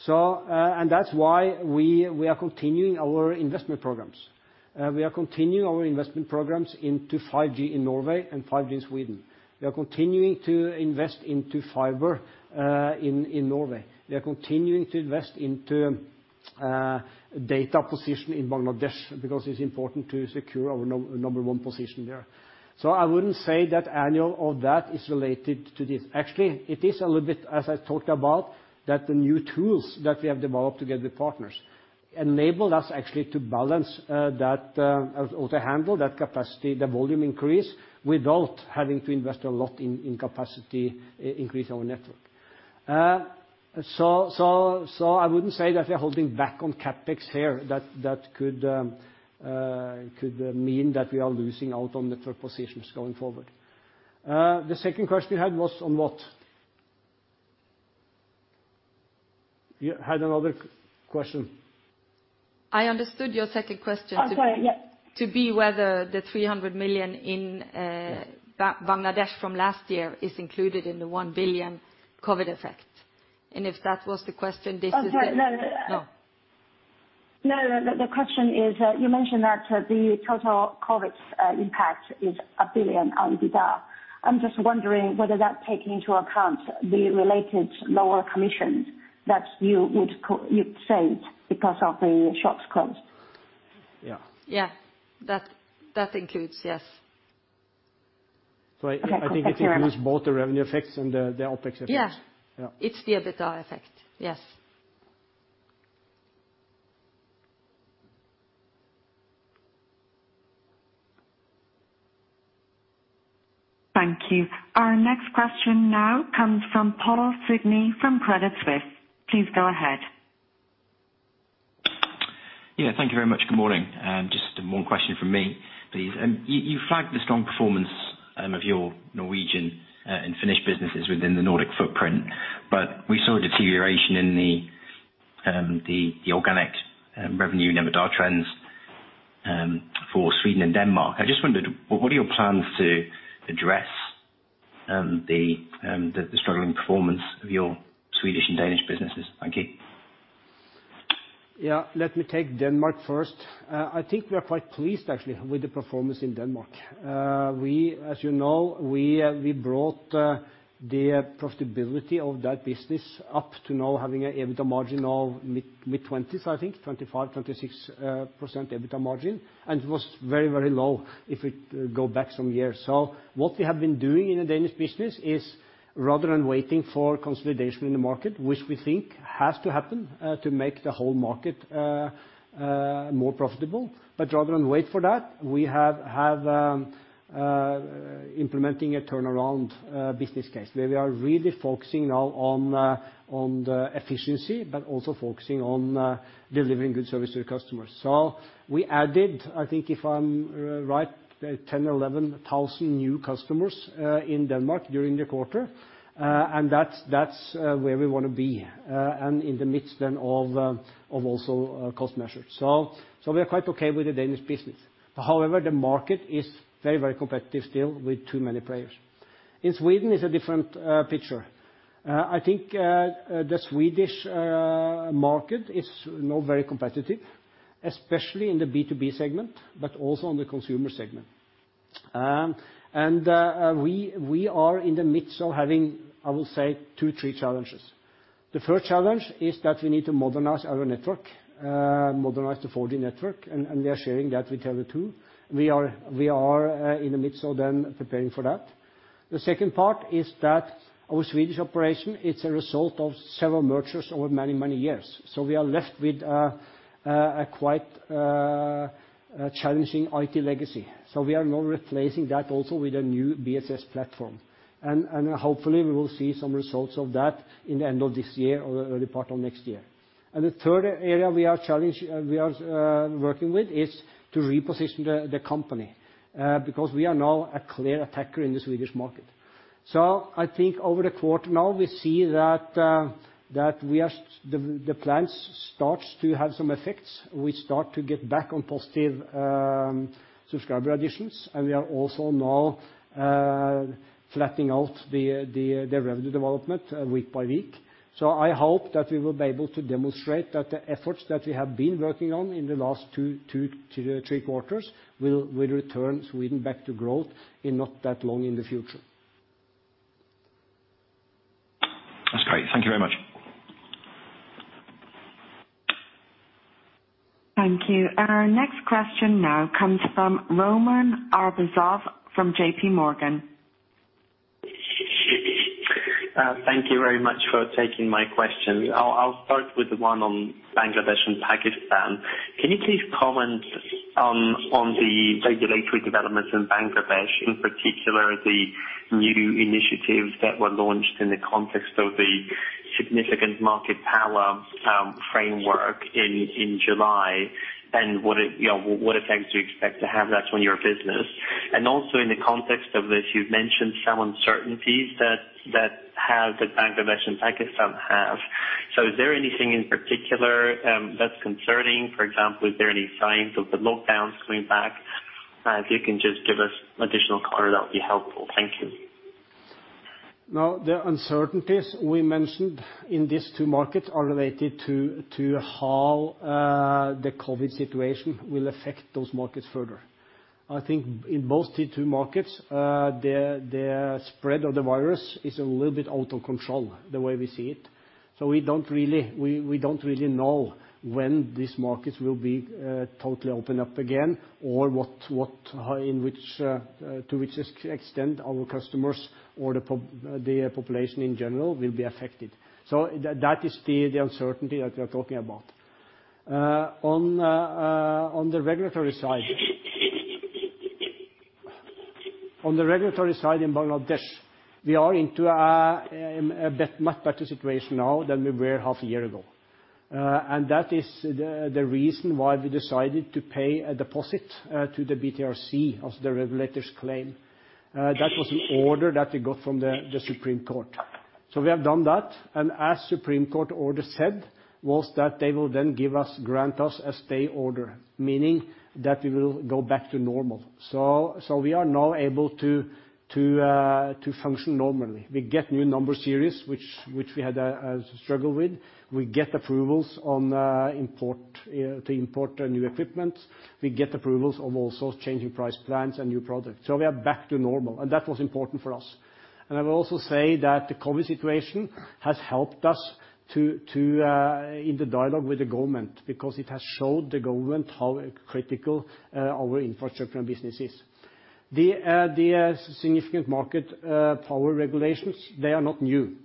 Speaker 1: That's why we are continuing our investment programs. We are continuing our investment programs into 5G in Norway and 5G in Sweden. We are continuing to invest into fiber in Norway. We are continuing to invest into data position in Bangladesh because it's important to secure our number one position there. I wouldn't say that annual or that is related to this. It is a little bit, as I talked about, that the new tools that we have developed together with partners enable us actually to balance that or to handle that capacity, the volume increase, without having to invest a lot in capacity increase our network. I wouldn't say that we are holding back on CapEx here, that could mean that we are losing out on network positions going forward. The second question you had was on what? You had another question.
Speaker 2: I understood your second question.
Speaker 8: I'm sorry, yeah.
Speaker 2: to be whether the 300 million in-
Speaker 1: Yeah
Speaker 2: Bangladesh from last year is included in the 1 billion COVID effect. If that was the question, this is it.
Speaker 8: I'm sorry, no.
Speaker 2: No.
Speaker 8: The question is, you mentioned that the total COVID impact is 1 billion on EBITDA. I'm just wondering whether that's taking into account the related lower commissions that you would save because of the shops closed.
Speaker 1: Yeah.
Speaker 2: Yeah. That includes, yes.
Speaker 1: I think if you use both the revenue effects and the OpEx effects.
Speaker 2: Yeah.
Speaker 1: Yeah.
Speaker 2: It's the EBITDA effect. Yes.
Speaker 3: Thank you. Our next question now comes from Paul Sidney from Credit Suisse. Please go ahead.
Speaker 9: Yeah, thank you very much. Good morning. Just one question from me, please. You flagged the strong performance of your Norwegian and Finnish businesses within the Nordic footprint, but we saw a deterioration in the organic revenue and EBITDA trends for Sweden and Denmark. I just wondered, what are your plans to address the struggling performance of your Swedish and Danish businesses? Thank you.
Speaker 1: Let me take Denmark first. I think we are quite pleased actually with the performance in Denmark. As you know, we brought the profitability of that business up to now having a EBITDA margin of mid-20s, I think 25%, 26% EBITDA margin, and was very, very low if it go back some years. What we have been doing in the Danish business is rather than waiting for consolidation in the market, which we think has to happen to make the whole market more profitable, but rather than wait for that, we have implementing a turnaround business case where we are really focusing now on the efficiency, but also focusing on delivering good service to the customers. We added, I think if I'm right, 10 or 11,000 new customers in Denmark during the quarter. That's where we want to be, in the midst then of also cost measures. We are quite okay with the Danish business. However, the market is very, very competitive still with too many players. In Sweden is a different picture. I think the Swedish market is now very competitive, especially in the B2B segment, but also on the consumer segment. We are in the midst of having, I will say, two, three challenges. The first challenge is that we need to modernize our network, modernize the 4G network, and we are sharing that with Tele2. We are in the midst of then preparing for that. The second part is that our Swedish operation, it's a result of several mergers over many, many years. We are left with a quite challenging IT legacy. We are now replacing that also with a new BSS platform. Hopefully we will see some results of that in the end of this year or the early part of next year. The third area we are working with is to reposition the company, because we are now a clear attacker in the Swedish market. I think over the quarter now, we see that the plans starts to have some effects. We start to get back on positive subscriber additions, and we are also now flattening out the revenue development week by week. I hope that we will be able to demonstrate that the efforts that we have been working on in the last two to three quarters will return Sweden back to growth in not that long in the future.
Speaker 9: That's great. Thank you very much.
Speaker 3: Thank you. Our next question now comes from Roman Arbuzov from JPMorgan.
Speaker 10: Thank you very much for taking my question. I will start with the one on Bangladesh and Pakistan. Can you please comment on the regulatory developments in Bangladesh, in particular, the new initiatives that were launched in the context of the Significant Market Power framework in July, and what effects do you expect to have that on your business? Also in the context of this, you have mentioned some uncertainties that Bangladesh and Pakistan have. Is there anything in particular that is concerning? For example, is there any signs of the lockdowns coming back? If you can just give us additional color, that would be helpful. Thank you.
Speaker 1: The uncertainties we mentioned in these two markets are related to how the COVID situation will affect those markets further. I think in both these two markets, the spread of the virus is a little bit out of control, the way we see it. We don't really know when these markets will be totally opened up again or to which extent our customers or the population in general will be affected. That is the uncertainty that we are talking about. On the regulatory side in Bangladesh, we are into a much better situation now than we were half a year ago. That is the reason why we decided to pay a deposit to the BTRC as the regulators claim. That was an order that we got from the Supreme Court. We have done that. As Supreme Court order said, was that they will grant us a stay order, meaning that we will go back to normal. We are now able to function normally. We get new number series, which we had a struggle with. We get approvals to import new equipment. We get approvals of also changing price plans and new products. We are back to normal, and that was important for us. I will also say that the COVID situation has helped us in the dialogue with the government, because it has showed the government how critical our infrastructure and business is. The Significant Market Power regulations, they are not new.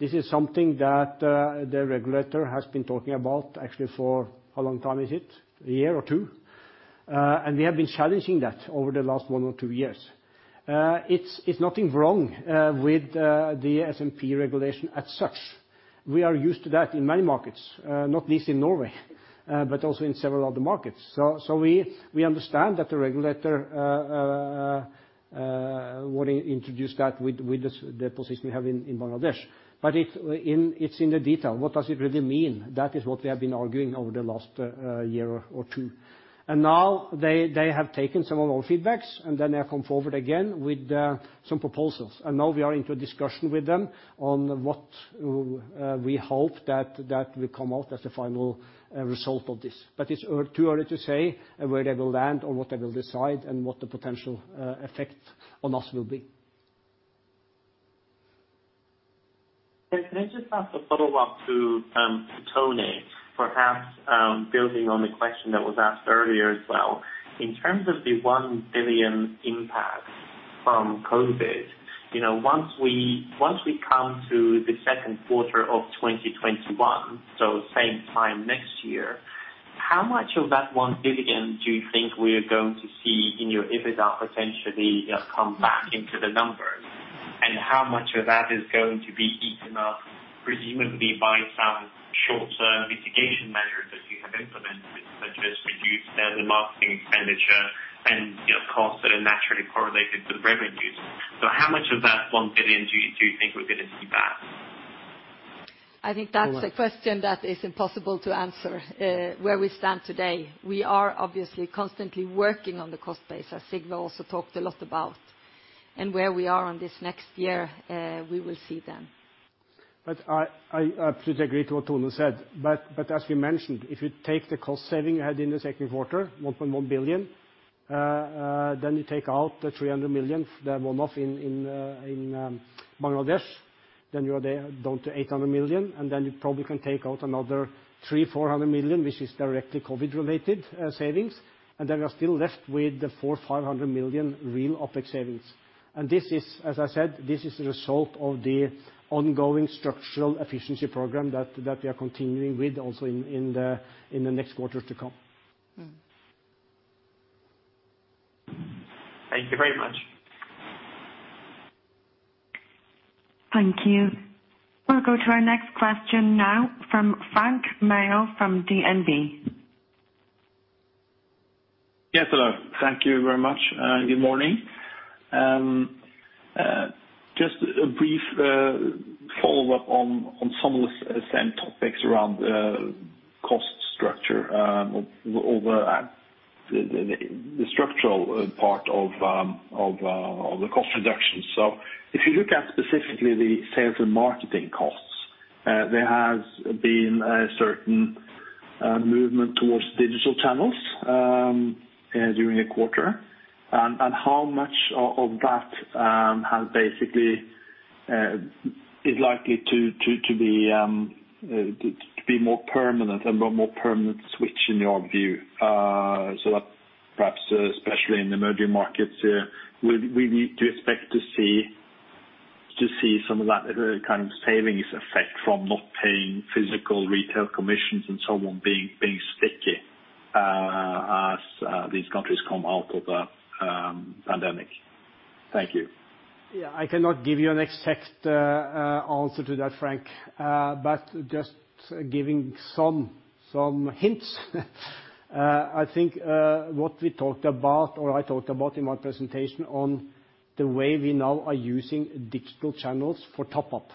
Speaker 1: This is something that the regulator has been talking about for, how long time is it? A year or two. We have been challenging that over the last one or two years. It's nothing wrong with the SMP regulation as such. We are used to that in many markets, not least in Norway, but also in several other markets. We understand that the regulator would introduce that with the deposit we have in Bangladesh. It's in the detail. What does it really mean? That is what we have been arguing over the last year or two. Now they have taken some of our feedbacks, and then they have come forward again with some proposals. Now we are into a discussion with them on what we hope that will come out as a final result of this. It's too early to say where they will land or what they will decide and what the potential effect on us will be.
Speaker 10: Can I just ask a follow-up to Tone? Perhaps building on the question that was asked earlier as well. In terms of the 1 billion impact from COVID, once we come to the second quarter of 2021, so same time next year, how much of that 1 billion do you think we are going to see in your EBITDA potentially come back into the numbers? How much of that is going to be eaten up, presumably by some short-term mitigation measures that you have implemented, such as reduced sales and marketing expenditure and costs that are naturally correlated to the revenues. How much of that 1 billion do you think we're going to see back?
Speaker 2: I think that's a question that is impossible to answer where we stand today. We are obviously constantly working on the cost base, as Sigve also talked a lot about. Where we are on this next year, we will see then.
Speaker 1: I absolutely agree to what Tone said. As we mentioned, if you take the cost saving we had in the second quarter, 1.1 billion, then you take out the 300 million that were not in Bangladesh, then you are down to 800 million, and then you probably can take out another 300 million-400 million, which is directly COVID related savings. Then you are still left with the 400 million-500 million real OpEx savings. As I said, this is the result of the ongoing structural efficiency program that we are continuing with also in the next quarters to come.
Speaker 10: Thank you very much.
Speaker 3: Thank you. We will go to our next question now from Frank Maaø from DNB.
Speaker 11: Yes, hello. Thank you very much. Good morning. Just a brief follow-up on some of the same topics around cost structure. The structural part of the cost reduction. If you look at specifically the sales and marketing costs, there has been a certain movement towards digital channels during the quarter, and how much of that is likely to be more permanent and a more permanent switch in your view? That perhaps especially in emerging markets, we need to expect to see some of that kind of savings effect from not paying physical retail commissions and so on, being sticky as these countries come out of the pandemic. Thank you.
Speaker 1: I cannot give you an exact answer to that, Frank, but just giving some hints. I think, what we talked about, or I talked about in my presentation on the way we now are using digital channels for top up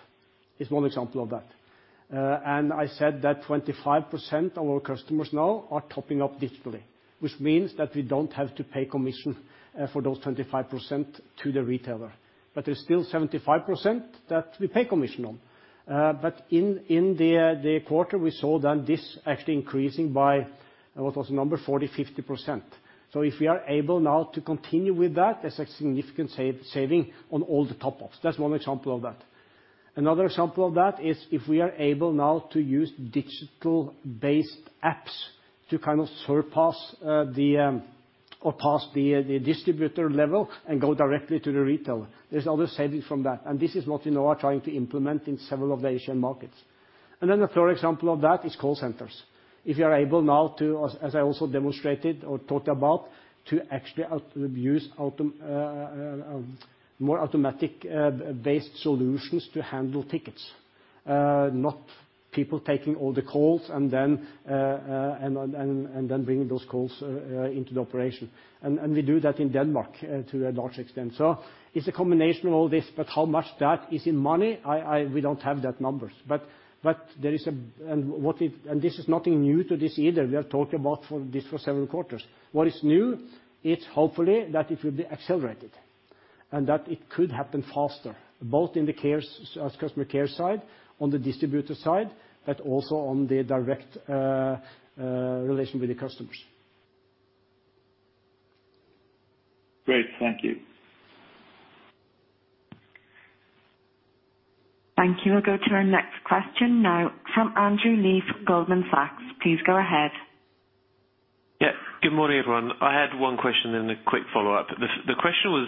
Speaker 1: is one example of that. I said that 25% of our customers now are topping up digitally, which means that we don't have to pay commission for those 25% to the retailer. There's still 75% that we pay commission on. In the quarter we saw then this actually increasing by, what was the number? 40%, 50%. If we are able now to continue with that's a significant saving on all the top ups. That's one example of that. Another example of that is if we are able now to use digital-based apps to kind of surpass or pass the distributor level and go directly to the retailer. There's other savings from that. This is what Telenor are trying to implement in several of the Asian markets. The third example of that is call centers. If you are able now to, as I also demonstrated or talked about, to actually use more automatic based solutions to handle tickets. Not people taking all the calls and then bringing those calls into the operation. We do that in Denmark to a large extent. It's a combination of all this, but how much that is in money, we don't have that numbers. This is nothing new to this either. We have talked about this for seven quarters. What is new, it is hopefully that it will be accelerated and that it could happen faster, both in the customer care side, on the distributor side, but also on the direct relation with the customers.
Speaker 11: Great. Thank you.
Speaker 3: Thank you. We'll go to our next question now from Andrew Lee, Goldman Sachs. Please go ahead.
Speaker 12: Good morning, everyone. I had one question, then a quick follow-up. The question was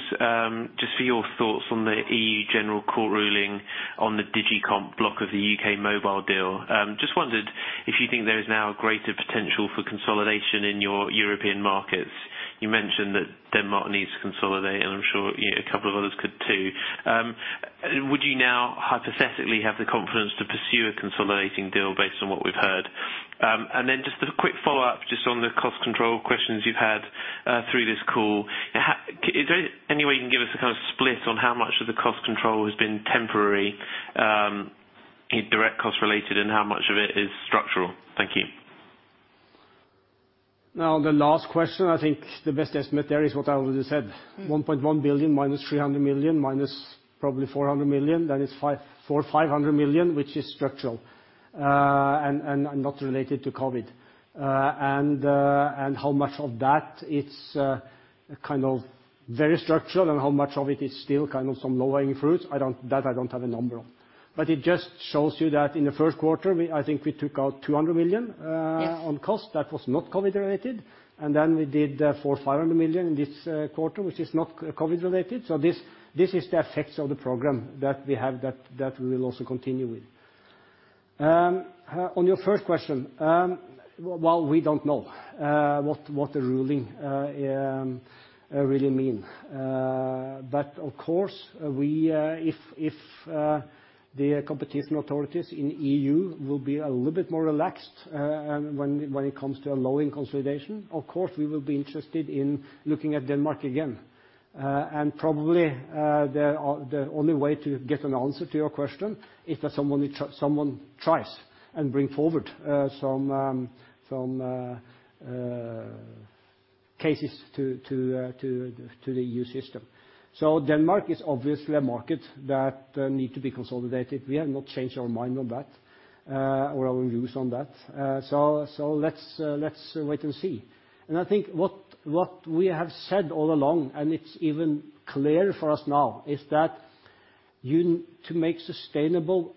Speaker 12: just for your thoughts on the EU General Court ruling on the DG COMP block of the U.K. mobile deal. Just wondered if you think there is now a greater potential for consolidation in your European markets. You mentioned that Denmark needs to consolidate. I'm sure a couple of others could too. Would you now hypothetically have the confidence to pursue a consolidating deal based on what we've heard? Just a quick follow-up just on the cost control questions you've had through this call. Is there any way you can give us a kind of split on how much of the cost control has been temporary, direct cost related, and how much of it is structural? Thank you.
Speaker 1: The last question, I think the best estimate there is what I already said, 1.1 billion minus 300 million, minus probably 400 million. It's 500 million, which is structural, and not related to COVID. How much of that it's kind of very structural and how much of it is still kind of some low-hanging fruits, that I don't have a number on. It just shows you that in the first quarter, I think we took out 200 million.
Speaker 2: Yes
Speaker 1: on cost that was not COVID related. We did 400 million-500 million in this quarter, which is not COVID related. This is the effects of the program that we have, that we will also continue with. On your first question, well, we don't know what the ruling really mean. Of course, if the competition authorities in EU will be a little bit more relaxed when it comes to allowing consolidation, of course, we will be interested in looking at Denmark again. Probably, the only way to get an answer to your question is that someone tries and bring forward some cases to the EU system. Denmark is obviously a market that need to be consolidated. We have not changed our mind on that, or our views on that. Let's wait and see. I think what we have said all along, and it's even clearer for us now, is that to make sustainable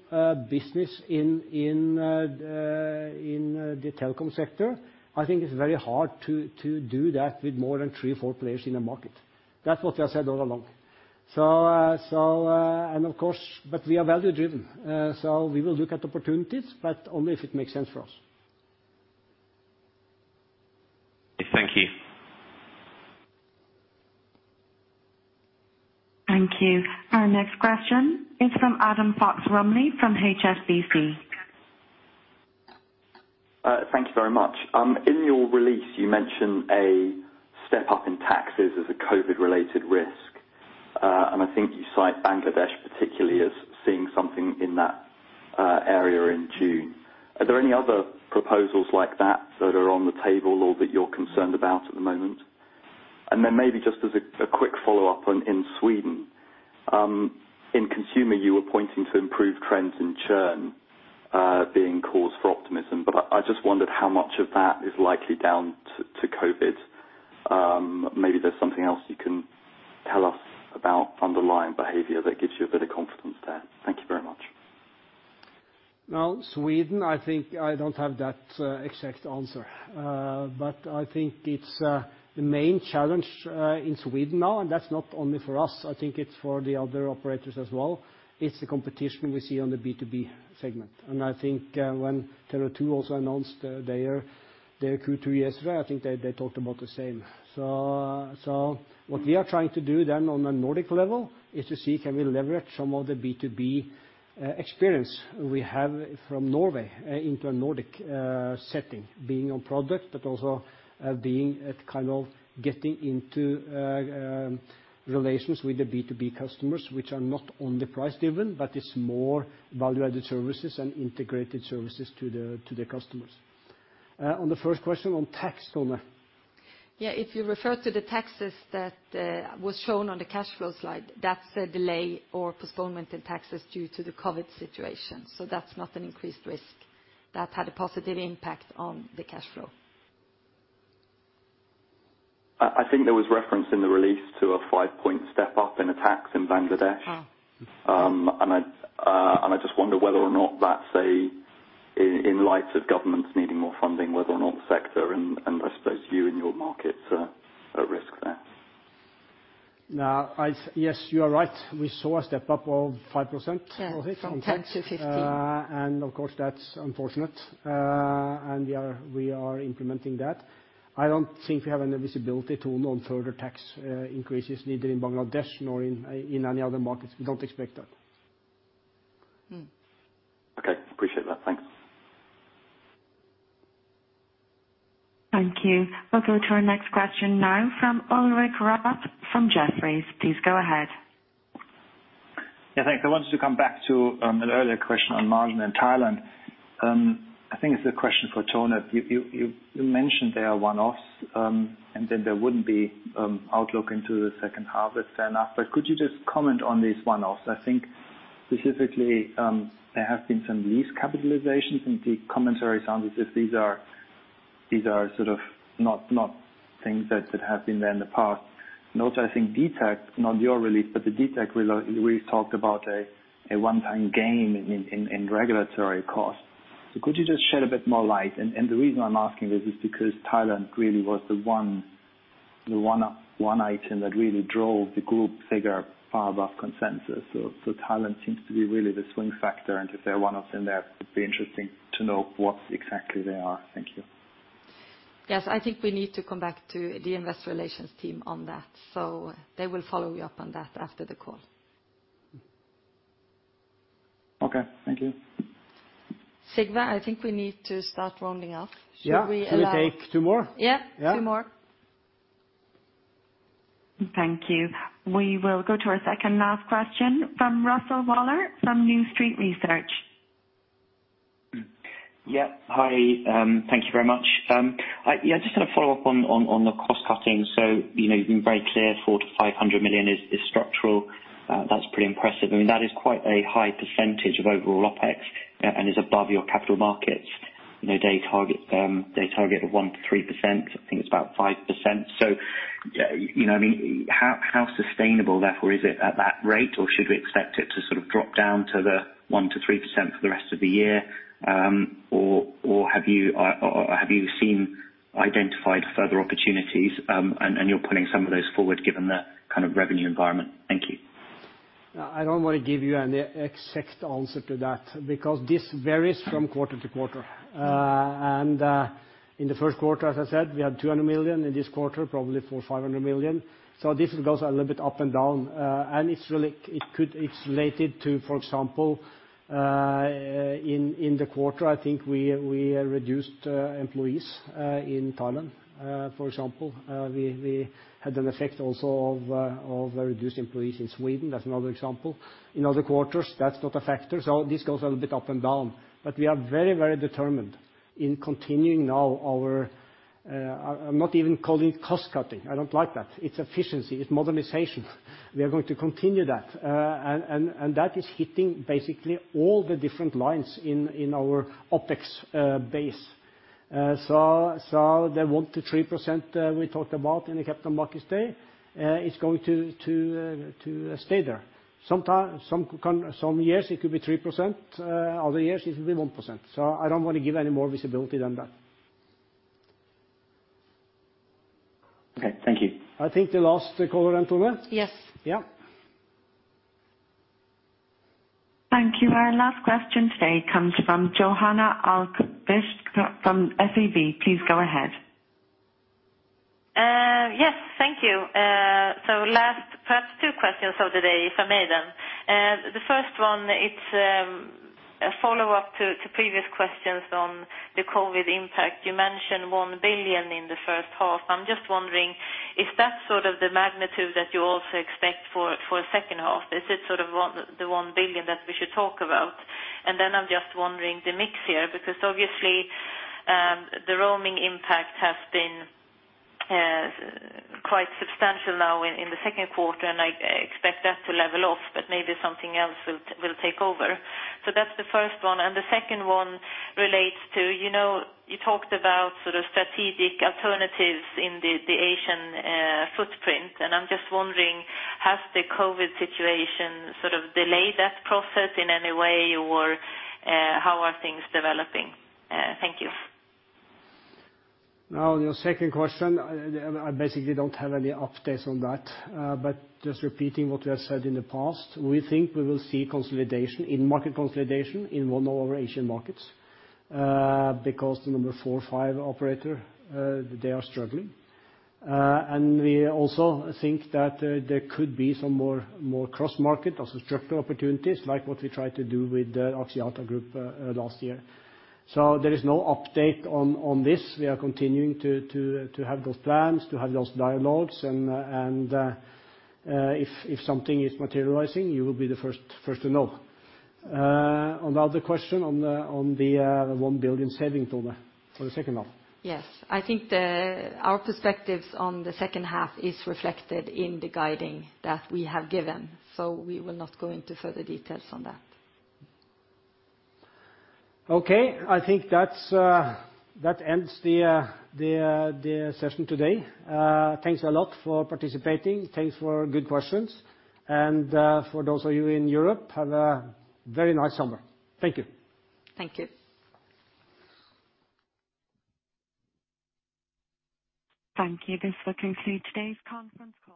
Speaker 1: business in the telecom sector, I think it's very hard to do that with more than three or four players in a market. That's what we have said all along. We are value driven, so we will look at opportunities, but only if it makes sense for us.
Speaker 12: Thank you.
Speaker 3: Thank you. Our next question is from Adam Fox-Rumley, from HSBC.
Speaker 13: Thank you very much. In your release, you mentioned a step up in taxes as a COVID-related risk. I think you cite Bangladesh particularly as seeing something in that area in June. Are there any other proposals like that that are on the table or that you're concerned about at the moment? Maybe just as a quick follow-up, in Sweden, in consumer, you were pointing to improved trends in churn being cause for optimism, I just wondered how much of that is likely down to COVID? Maybe there's something else you can tell us about underlying behavior that gives you a bit of confidence there. Thank you very much.
Speaker 1: Sweden, I think I don't have that exact answer. I think it's the main challenge in Sweden now, and that's not only for us, I think it's for the other operators as well, it's the competition we see on the B2B segment. I think when Tele2 also announced their Q2 yesterday, I think they talked about the same. What we are trying to do then on a Nordic level is to see, can we leverage some of the B2B experience we have from Norway into a Nordic setting, being on product, but also getting into relations with the B2B customers, which are not only price-driven, but it's more value-added services and integrated services to the customers. On the first question on tax, Tone.
Speaker 2: Yeah, if you refer to the taxes that was shown on the cash flow slide, that's a delay or postponement in taxes due to the COVID situation. That's not an increased risk. That had a positive impact on the cash flow.
Speaker 13: I think there was reference in the release to a five-point step up in a tax in Bangladesh. I just wonder whether or not that's a, in light of governments needing more funding, whether or not the sector and I suppose you in your markets are at risk there.
Speaker 1: Yes, you are right. We saw a step up of 5%. Was it?
Speaker 2: Yes. From 10-15.
Speaker 1: Of course, that's unfortunate. We are implementing that. I don't think we have any visibility to no further tax increases needed in Bangladesh nor in any other markets. We don't expect that.
Speaker 13: Okay. Appreciate that. Thanks.
Speaker 3: Thank you. We'll go to our next question now from Ulrich Rathe from Jefferies. Please go ahead.
Speaker 14: Yeah, thanks. I wanted to come back to an earlier question on margin in Thailand. I think it's a question for Tone. You mentioned there are one-offs, and then there wouldn't be outlook into the second half et cetera. Could you just comment on these one-offs? I think specifically, there have been some lease capitalizations, and the commentary sounds as if these are sort of not things that have been there in the past. Note, I think DTAC, not your release, but the DTAC release talked about a one-time gain in regulatory costs. Could you just shed a bit more light? The reason I'm asking this is because Thailand really was the one item that really drove the group figure far above consensus. Thailand seems to be really the swing factor. If they're one of them there, it'd be interesting to know what exactly they are. Thank you.
Speaker 2: Yes. I think we need to come back to the investor relations team on that. They will follow you up on that after the call.
Speaker 14: Okay. Thank you.
Speaker 2: Sigve, I think we need to start rounding off. Should we allow.
Speaker 1: Yeah. Can we take two more?
Speaker 2: Yeah.
Speaker 1: Yeah.
Speaker 2: Two more.
Speaker 3: Thank you. We will go to our second last question from Russell Waller from New Street Research.
Speaker 15: Hi. Thank you very much. Just to follow up on the cost cutting. You've been very clear, 400 million to 500 million is structural. That's pretty impressive. That is quite a high percentage of overall OpEx and is above your Capital Markets, their target of 1%-3%, I think it's about 5%. How sustainable, therefore, is it at that rate? Or should we expect it to sort of drop down to the 1%-3% for the rest of the year? Or have you seen identified further opportunities, and you're pulling some of those forward given the kind of revenue environment? Thank you.
Speaker 1: I don't want to give you any exact answer to that because this varies from quarter to quarter. In the first quarter, as I said, we had 200 million. In this quarter, probably 400 or 500 million. This goes a little bit up and down. It's related to, for example in the quarter, I think we reduced employees in Thailand. For example, we had an effect also of reduced employees in Sweden. That's another example. In other quarters, that's not a factor. This goes a little bit up and down. We are very determined in continuing now our, I'm not even calling it cost-cutting. I don't like that. It's efficiency. It's modernization. We are going to continue that. That is hitting basically all the different lines in our OpEx base. The 1%-3% we talked about in the Capital Markets Day is going to stay there. Some years it could be 3%, other years it will be 1%. I don't want to give any more visibility than that.
Speaker 15: Okay. Thank you.
Speaker 1: I think the last caller then, Tone?
Speaker 2: Yes.
Speaker 1: Yeah.
Speaker 3: Thank you. Our last question today comes from Johanna from SEB. Please go ahead.
Speaker 16: Yes. Thank you. Last perhaps two questions of the day if I may then. The first one, it's follow-up to previous questions on the COVID impact. You mentioned 1 billion in the first half. I'm just wondering, is that the magnitude that you also expect for the second half? Is it the 1 billion that we should talk about? I'm just wondering the mix here, because obviously, the roaming impact has been quite substantial now in the second quarter, and I expect that to level off, but maybe something else will take over. That's the first one. The second one relates to, you talked about strategic alternatives in the Asian footprint, and I'm just wondering, has the COVID situation delayed that process in any way? How are things developing? Thank you.
Speaker 1: Your second question, I basically don't have any updates on that. Just repeating what we have said in the past, we think we will see consolidation, market consolidation, in one of our Asian markets, because the number 4 or 5 operator, they are struggling. We also think that there could be some more cross-market or structural opportunities, like what we tried to do with Axiata Group last year. There is no update on this. We are continuing to have those plans, to have those dialogues, and if something is materializing, you will be the first to know. On the other question, on the NOK 1 billion saving, Tone, for the second half.
Speaker 2: I think our perspectives on the second half are reflected in the guiding that we have given. We will not go into further details on that.
Speaker 1: Okay. I think that ends the session today. Thanks a lot for participating. Thanks for good questions. For those of you in Europe, have a very nice summer. Thank you.
Speaker 2: Thank you.
Speaker 3: Thank you. This will conclude today's conference call.